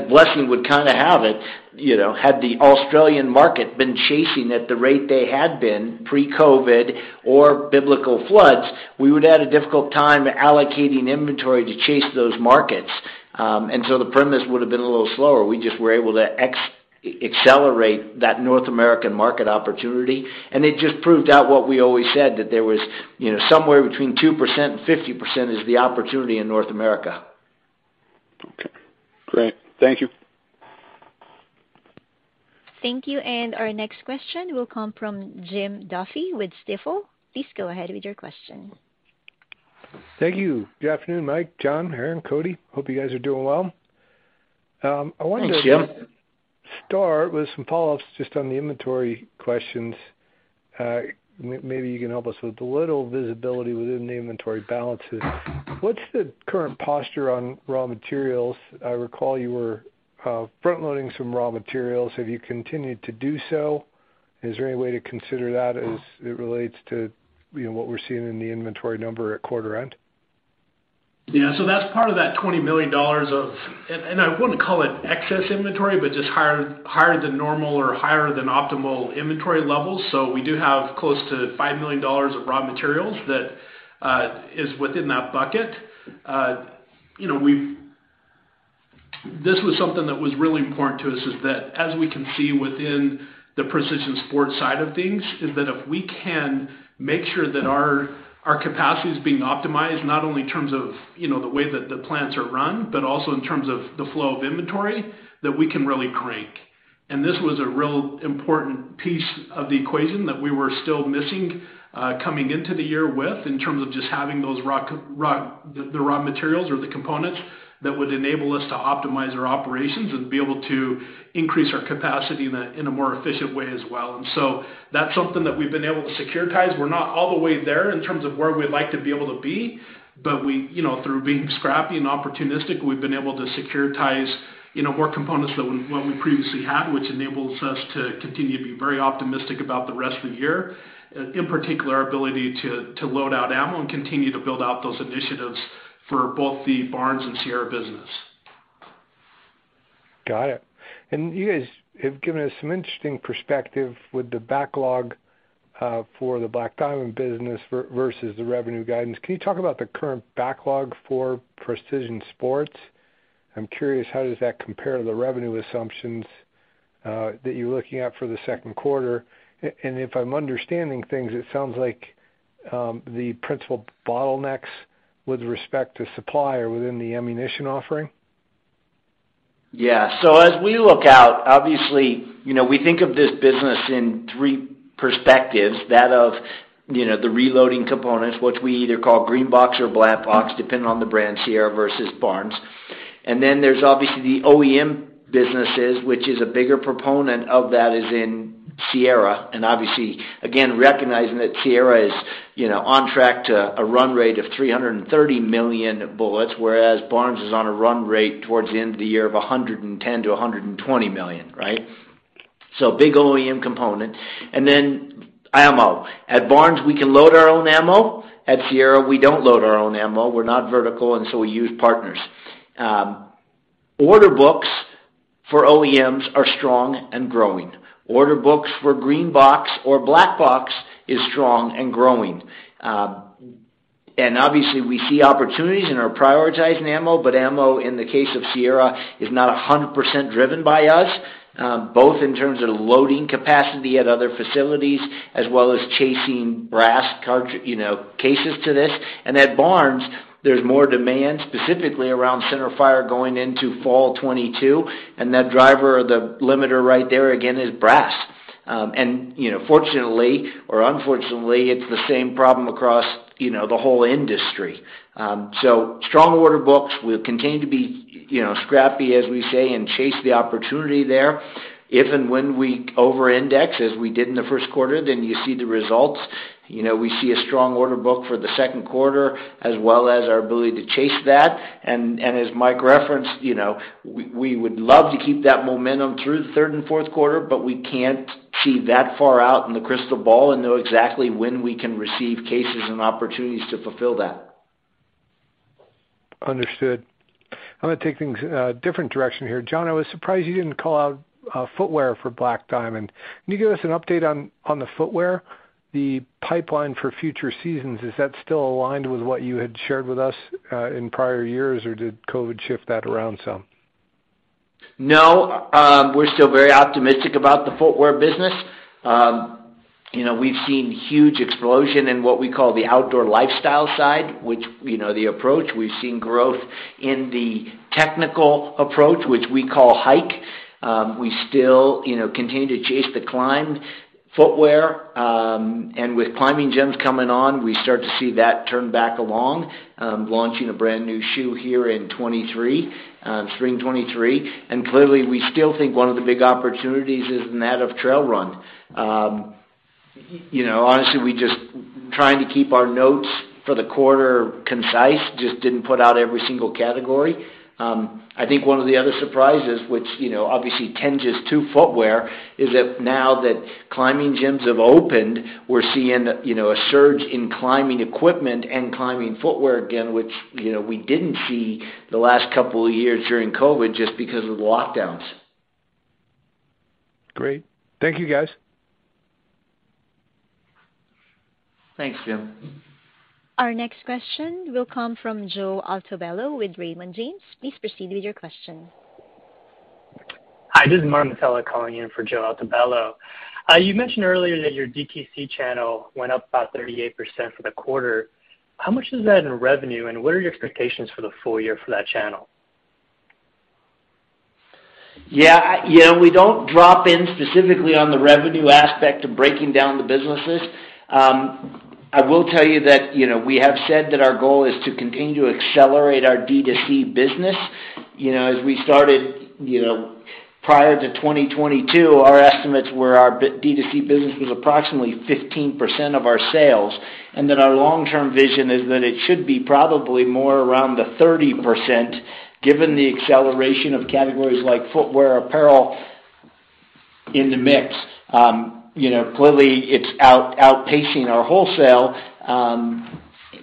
Speaker 3: luck would have it, you know, had the Australian market been chasing at the rate they had been pre-COVID-19 or biblical floods, we would have had a difficult time allocating inventory to chase those markets. The pace would have been a little slower. We just were able to accelerate that North American market opportunity, and it just proved out what we always said, that there was, you know, somewhere between 2% and 50% is the opportunity in North America.
Speaker 9: Okay, great. Thank you.
Speaker 1: Thank you. Our next question will come from Jim Duffy with Stifel. Please go ahead with your question.
Speaker 10: Thank you. Good afternoon, Mike, John, Aaron, Cody. Hope you guys are doing well.
Speaker 3: Thanks, Jim.
Speaker 10: If we could start with some follow-ups just on the inventory questions. Maybe you can help us with a little visibility within the inventory balances. What's the current posture on raw materials? I recall you were front-loading some raw materials. Have you continued to do so? Is there any way to consider that as it relates to, you know, what we're seeing in the inventory number at quarter end?
Speaker 6: Yeah. That's part of that $20 million of. I wouldn't call it excess inventory, but just higher than normal or higher than optimal inventory levels. We do have close to $5 million of raw materials that is within that bucket. This was something that was really important to us is that as we can see within the Precision Sport side of things, is that if we can make sure that our capacity is being optimized, not only in terms of, you know, the way that the plants are run, but also in terms of the flow of inventory, that we can really crank. This was a real important piece of the equation that we were still missing coming into the year with in terms of just having those raw materials or the components that would enable us to optimize our operations and be able to increase our capacity in a more efficient way as well. That's something that we've been able to secure. We're not all the way there in terms of where we'd like to be able to be, but you know, through being scrappy and opportunistic, we've been able to secure more components than what we previously had, which enables us to continue to be very optimistic about the rest of the year, in particular, our ability to load out ammo and continue to build out those initiatives for both the Barnes and Sierra business.
Speaker 10: Got it. You guys have given us some interesting perspective with the backlog for the Black Diamond business versus the revenue guidance. Can you talk about the current backlog for Precision Sport? I'm curious, how does that compare to the revenue assumptions that you're looking at for the second quarter? If I'm understanding things, it sounds like the principal bottlenecks with respect to supply are within the ammunition offering.
Speaker 3: Yeah. As we look out, obviously, you know, we think of this business in three perspectives, that of, you know, the reloading components, which we either call Green Box or Black Box, depending on the brand, Sierra versus Barnes. There's obviously the OEM businesses, which is a bigger portion of that is in Sierra, and obviously, again, recognizing that Sierra is, you know, on track to a run rate of 330 million bullets, whereas Barnes is on a run rate towards the end of the year of 110-120 million, right? Big OEM component. Ammo. At Barnes, we can load our own ammo. At Sierra, we don't load our own ammo. We're not vertical, and so we use partners. Order books for OEMs are strong and growing. Order books for Green Box or Black Box is strong and growing. Obviously we see opportunities and are prioritizing ammo, but ammo, in the case of Sierra, is not 100% driven by us, both in terms of loading capacity at other facilities as well as chasing brass, you know, cases to this. At Barnes, there's more demand specifically around center fire going into fall 2022, and that driver or the limiter right there, again, is brass. You know, fortunately or unfortunately, it's the same problem across the whole industry. Strong order books. We'll continue to be, you know, scrappy, as we say, and chase the opportunity there. If and when we over-index, as we did in the first quarter, then you see the results. You know, we see a strong order book for the second quarter, as well as our ability to chase that. As Mike referenced, you know, we would love to keep that momentum through the third and fourth quarter, but we can't see that far out in the crystal ball and know exactly when we can receive cases and opportunities to fulfill that.
Speaker 10: Understood. I'm gonna take things in a different direction here. John, I was surprised you didn't call out footwear for Black Diamond. Can you give us an update on the footwear? The pipeline for future seasons, is that still aligned with what you had shared with us in prior years, or did COVID shift that around some?
Speaker 3: No. We're still very optimistic about the footwear business. You know, we've seen huge explosion in what we call the outdoor lifestyle side, which, you know, the approach. We've seen growth in the technical approach, which we call hike. We still, you know, continue to chase the climb footwear. With climbing gyms coming on, we start to see that turnaround. Launching a brand new shoe here in 2023, spring 2023. Clearly, we still think one of the big opportunities is in that of trail run. You know, honestly, we just trying to keep our notes for the quarter concise, just didn't put out every single category. I think one of the other surprises which, you know, obviously tend just to footwear is that now that climbing gyms have opened, we're seeing, you know, a surge in climbing equipment and climbing footwear again, which, you know, we didn't see the last couple of years during COVID just because of the lockdowns.
Speaker 10: Great. Thank you, guys.
Speaker 3: Thanks, Jim.
Speaker 1: Our next question will come from Joe Altobello with Raymond James. Please proceed with your question.
Speaker 11: Hi, this is Matela calling in for Joe Altobello. You mentioned earlier that your DTC channel went up about 38% for the quarter. How much is that in revenue, and what are your expectations for the full year for that channel?
Speaker 3: Yeah. You know, we don't drop in specifically on the revenue aspect of breaking down the businesses. I will tell you that, you know, we have said that our goal is to continue to accelerate our D2C business. You know, as we started, you know, prior to 2022, our estimates were our D2C business was approximately 15% of our sales, and that our long-term vision is that it should be probably more around the 30% given the acceleration of categories like footwear, apparel in the mix. You know, clearly it's outpacing our wholesale,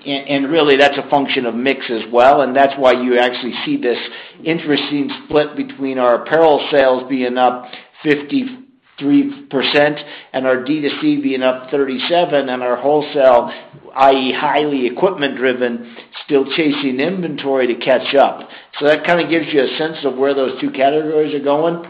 Speaker 3: and really that's a function of mix as well, and that's why you actually see this interesting split between our apparel sales being up 53% and our D2C being up 37% and our wholesale, i.e., highly equipment driven, still chasing inventory to catch up. That kind of gives you a sense of where those two categories are going.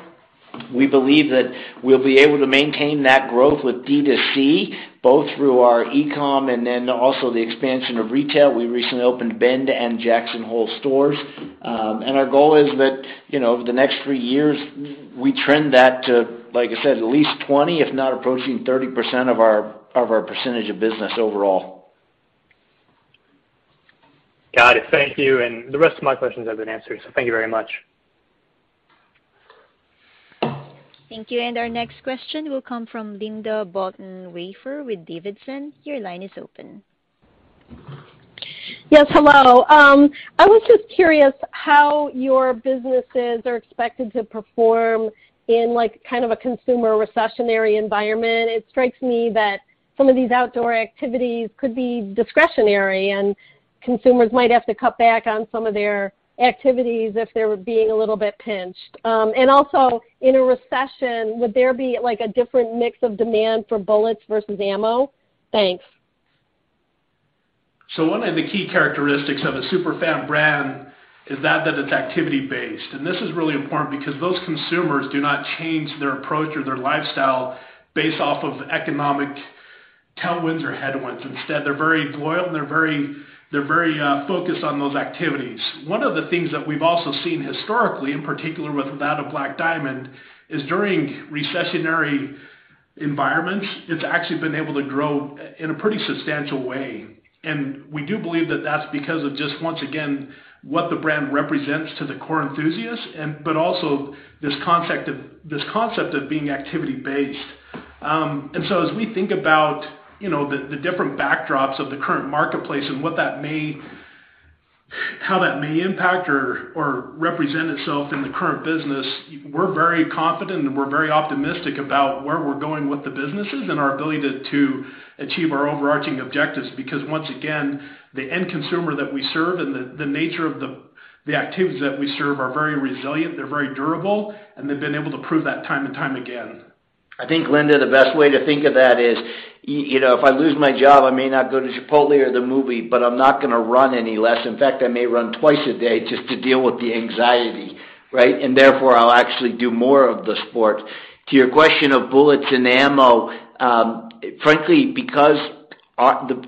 Speaker 3: We believe that we'll be able to maintain that growth with D2C, both through our e-com and then also the expansion of retail. We recently opened Bend and Jackson Hole stores. Our goal is that, you know, over the next three years, we trend that to, like I said, at least 20, if not approaching 30% of our percentage of business overall.
Speaker 11: Got it. Thank you. The rest of my questions have been answered, so thank you very much.
Speaker 1: Thank you. Our next question will come from Linda Bolton Weiser with D.A. Davidson. Your line is open.
Speaker 12: Yes, hello. I was just curious how your businesses are expected to perform in, like, kind of a consumer recessionary environment. It strikes me that some of these outdoor activities could be discretionary and consumers might have to cut back on some of their activities if they were being a little bit pinched. Also, in a recession, would there be, like, a different mix of demand for bullets versus ammo? Thanks.
Speaker 6: One of the key characteristics of a super fan brand is that it's activity-based, and this is really important because those consumers do not change their approach or their lifestyle based off of economic tailwinds or headwinds. Instead, they're very loyal and they're very focused on those activities. One of the things that we've also seen historically, in particular with that of Black Diamond, is during recessionary environments, it's actually been able to grow in a pretty substantial way. We do believe that that's because of just, once again, what the brand represents to the core enthusiasts and but also this concept of being activity-based. As we think about, you know, the different backdrops of the current marketplace and what that may. How that may impact or represent itself in the current business, we're very confident and we're very optimistic about where we're going with the businesses and our ability to achieve our overarching objectives. Because once again, the end consumer that we serve and the nature of the activities that we serve are very resilient, they're very durable, and they've been able to prove that time and time again.
Speaker 3: I think, Linda, the best way to think of that is, you know, if I lose my job, I may not go to Chipotle or the movie, but I'm not gonna run any less. In fact, I may run twice a day just to deal with the anxiety, right? Therefore, I'll actually do more of the sport. To your question of bullets and ammo, frankly, because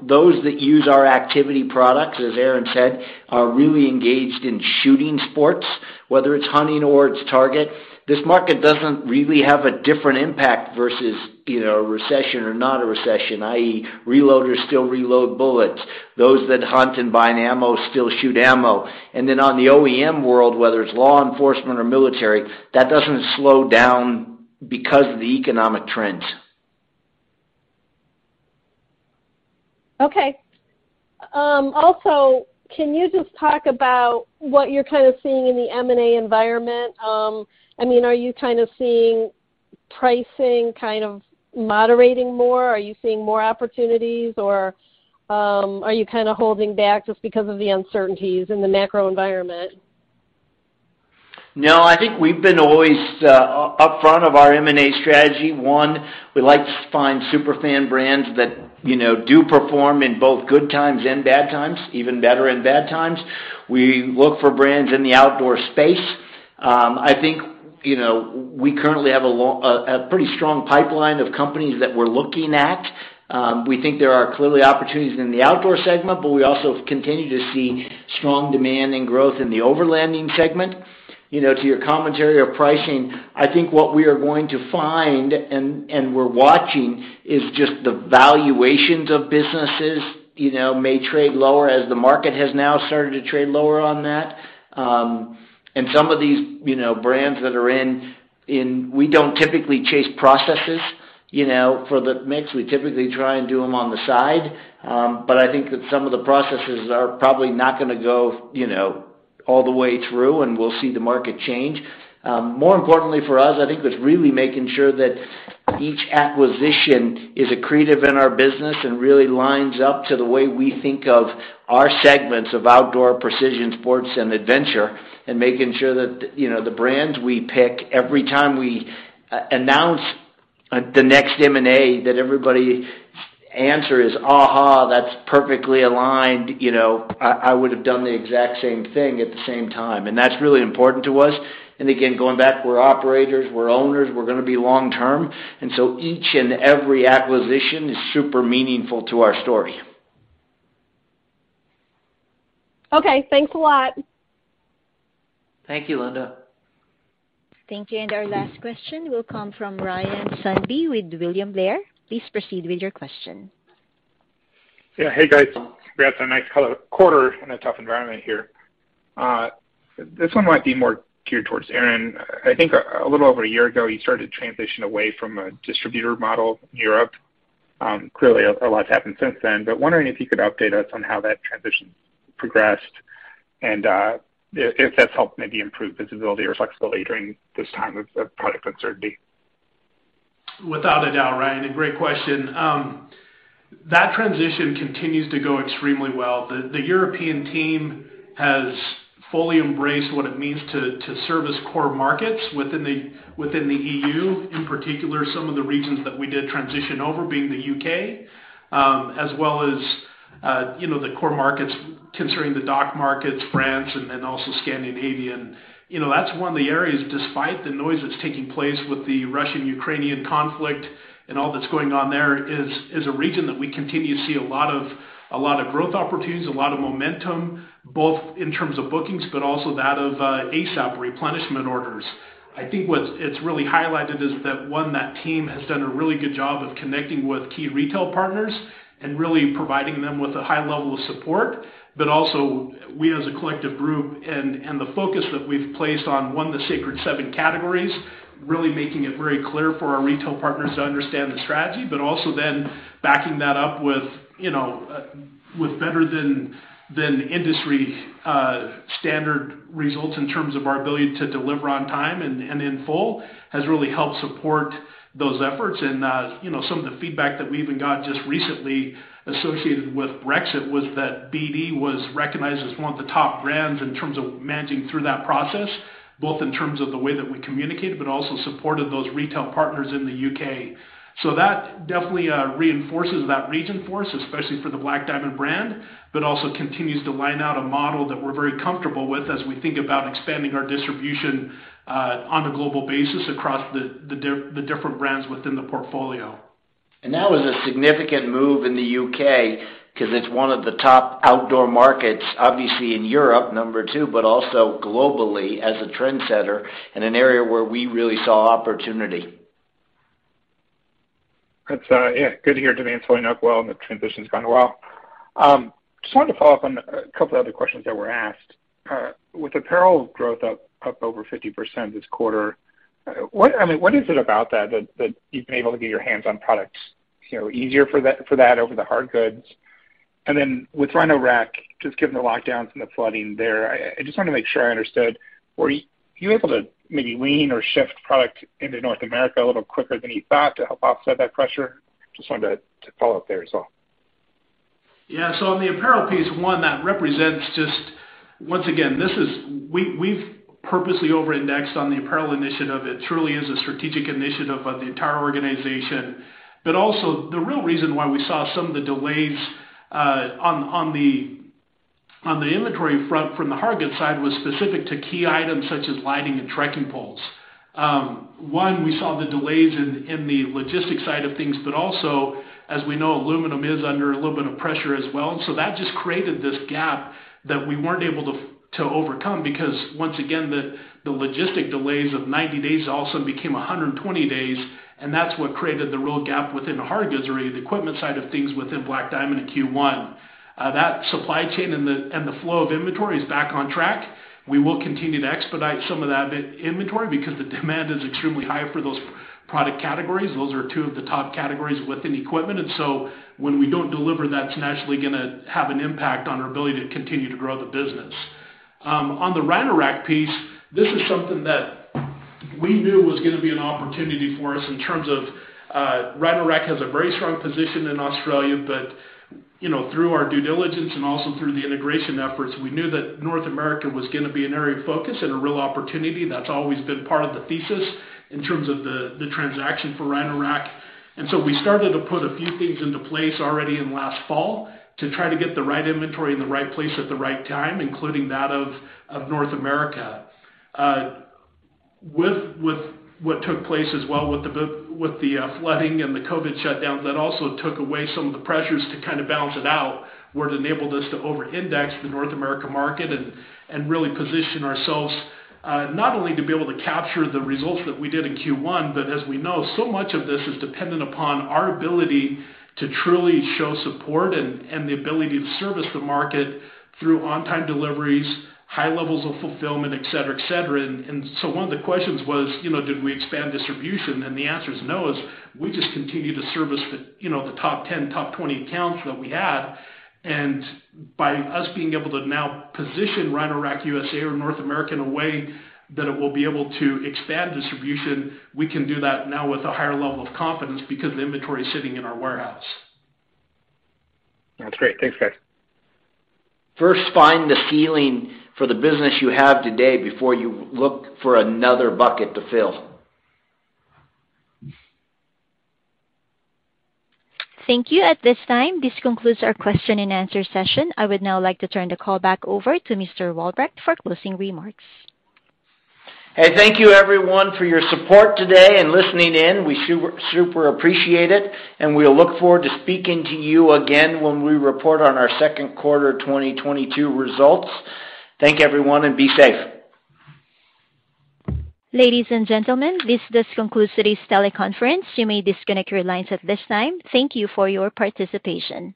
Speaker 3: those that use our activity products, as Aaron said, are really engaged in shooting sports, whether it's hunting or it's target. This market doesn't really have a different impact versus, you know, a recession or not a recession, i.e. reloaders still reload bullets. Those that hunt and buy an ammo still shoot ammo. Then on the OEM world, whether it's law enforcement or military, that doesn't slow down because of the economic trends.
Speaker 12: Okay. Also, can you just talk about what you're kind of seeing in the M&A environment? I mean, are you kind of seeing pricing kind of moderating more? Are you seeing more opportunities or, are you kind of holding back just because of the uncertainties in the macro environment?
Speaker 3: No, I think we've been always upfront of our M&A strategy. One, we like to find super fan brands that, you know, do perform in both good times and bad times, even better in bad times. We look for brands in the outdoor space. I think, you know, we currently have a pretty strong pipeline of companies that we're looking at. We think there are clearly opportunities in the outdoor segment, but we also continue to see strong demand and growth in the overlanding segment. You know, to your commentary of pricing, I think what we are going to find and we're watching is just the valuations of businesses, you know, may trade lower as the market has now started to trade lower on that. Some of these, you know, brands that are in. We don't typically chase processes, you know, for the mix. We typically try and do them on the side. But I think that some of the processes are probably not gonna go, you know, all the way through, and we'll see the market change. More importantly for us, I think it's really making sure that each acquisition is accretive in our business and really lines up to the way we think of our segments of outdoor precision sports and adventure, and making sure that, you know, the brands we pick every time we announce the next M&A that everybody's answer is, "Aha, that's perfectly aligned," you know. "I would have done the exact same thing at the same time." That's really important to us. Again, going back, we're operators, we're owners, we're gonna be long term. Each and every acquisition is super meaningful to our story.
Speaker 12: Okay, thanks a lot.
Speaker 3: Thank you, Linda.
Speaker 1: Thank you. Our last question will come from Ryan Sundby with William Blair. Please proceed with your question.
Speaker 13: Yeah. Hey, guys. We had a nice quarter in a tough environment here. This one might be more geared towards Aaron. I think a little over a year ago, you started to transition away from a distributor model in Europe. Clearly a lot's happened since then, but wondering if you could update us on how that transition progressed and if that's helped maybe improve visibility or flexibility during this time of product uncertainty.
Speaker 6: Without a doubt, Ryan. A great question. That transition continues to go extremely well. The European team has fully embraced what it means to service core markets within the E.U., in particular, some of the regions that we did transition over being the U.K., as well as you know, the core markets concerning the DACH markets, France and also Scandinavian. You know, that's one of the areas, despite the noise that's taking place with the Russian-Ukrainian conflict and all that's going on there, is a region that we continue to see a lot of growth opportunities, a lot of momentum, both in terms of bookings, but also that of ASAP replenishment orders. I think what's really highlighted is that, one, that team has done a really good job of connecting with key retail partners and really providing them with a high level of support. Also we, as a collective group and the focus that we've placed on, one, the Sacred Seven categories, really making it very clear for our retail partners to understand the strategy, but also then backing that up with, you know, with better than industry standard results in terms of our ability to deliver on time and in full has really helped support those efforts. Some of the feedback that we even got just recently associated with Brexit was that BD was recognized as one of the top brands in terms of managing through that process, both in terms of the way that we communicated, but also supported those retail partners in the UK. That definitely reinforces that region for us, especially for the Black Diamond brand, but also continues to line out a model that we're very comfortable with as we think about expanding our distribution on a global basis across the different brands within the portfolio.
Speaker 3: That was a significant move in the U.K. because it's one of the top outdoor markets, obviously in Europe, number two, but also globally as a trendsetter and an area where we really saw opportunity.
Speaker 13: That's good to hear today. It's going up well, and the transition's gone well. Just wanted to follow up on a couple other questions that were asked. With apparel growth up over 50% this quarter, what I mean, what is it about that that you've been able to get your hands on products, you know, easier for that over the hard goods? And then with Rhino-Rack, just given the lockdowns and the flooding there, I just wanna make sure I understood. Were you able to maybe lean or shift product into North America a little quicker than you thought to help offset that pressure? Just wanted to follow up there as well.
Speaker 6: Yeah. On the apparel piece, one, that represents just. Once again, this is we’ve purposely over-indexed on the apparel initiative. It truly is a strategic initiative of the entire organization. But also, the real reason why we saw some of the delays on the inventory front from the hard goods side was specific to key items such as lighting and trekking poles. One, we saw the delays in the logistics side of things, but also, as we know, aluminum is under a little bit of pressure as well. That just created this gap that we weren’t able to to overcome because once again, the logistic delays of 90 days also became 120 days, and that’s what created the real gap within hard goods or the equipment side of things within Black Diamond in Q1. That supply chain and the flow of inventory is back on track. We will continue to expedite some of that inventory because the demand is extremely high for those product categories. Those are two of the top categories within equipment. When we don't deliver, that's naturally gonna have an impact on our ability to continue to grow the business. On the Rhino-Rack piece, this is something that we knew was gonna be an opportunity for us in terms of, Rhino-Rack has a very strong position in Australia, but, you know, through our due diligence and also through the integration efforts, we knew that North America was gonna be an area of focus and a real opportunity. That's always been part of the thesis in terms of the transaction for Rhino-Rack. We started to put a few things into place already in last fall to try to get the right inventory in the right place at the right time, including that of North America. With what took place as well with the flooding and the COVID shutdowns, that also took away some of the pressures to kinda balance it out, where it enabled us to over-index the North America market and really position ourselves, not only to be able to capture the results that we did in Q1, but as we know, so much of this is dependent upon our ability to truly show support and the ability to service the market through on-time deliveries, high levels of fulfillment, et cetera, et cetera. One of the questions was, you know, did we expand distribution? The answer is no, we just continue to service the, you know, the top 10, top 20 accounts that we had. By us being able to now position Rhino-Rack USA or North America in a way that it will be able to expand distribution, we can do that now with a higher level of confidence because the inventory is sitting in our warehouse.
Speaker 13: That's great. Thanks, guys.
Speaker 6: First find the ceiling for the business you have today before you look for another bucket to fill.
Speaker 1: Thank you. At this time, this concludes our question and answer session. I would now like to turn the call back over to Mr. Walbrecht for closing remarks.
Speaker 3: Hey, thank you everyone for your support today and listening in. We super appreciate it, and we look forward to speaking to you again when we report on our second quarter 2022 results. Thanks, everyone, and be safe.
Speaker 1: Ladies and gentlemen, this does conclude today's teleconference. You may disconnect your lines at this time. Thank you for your participation.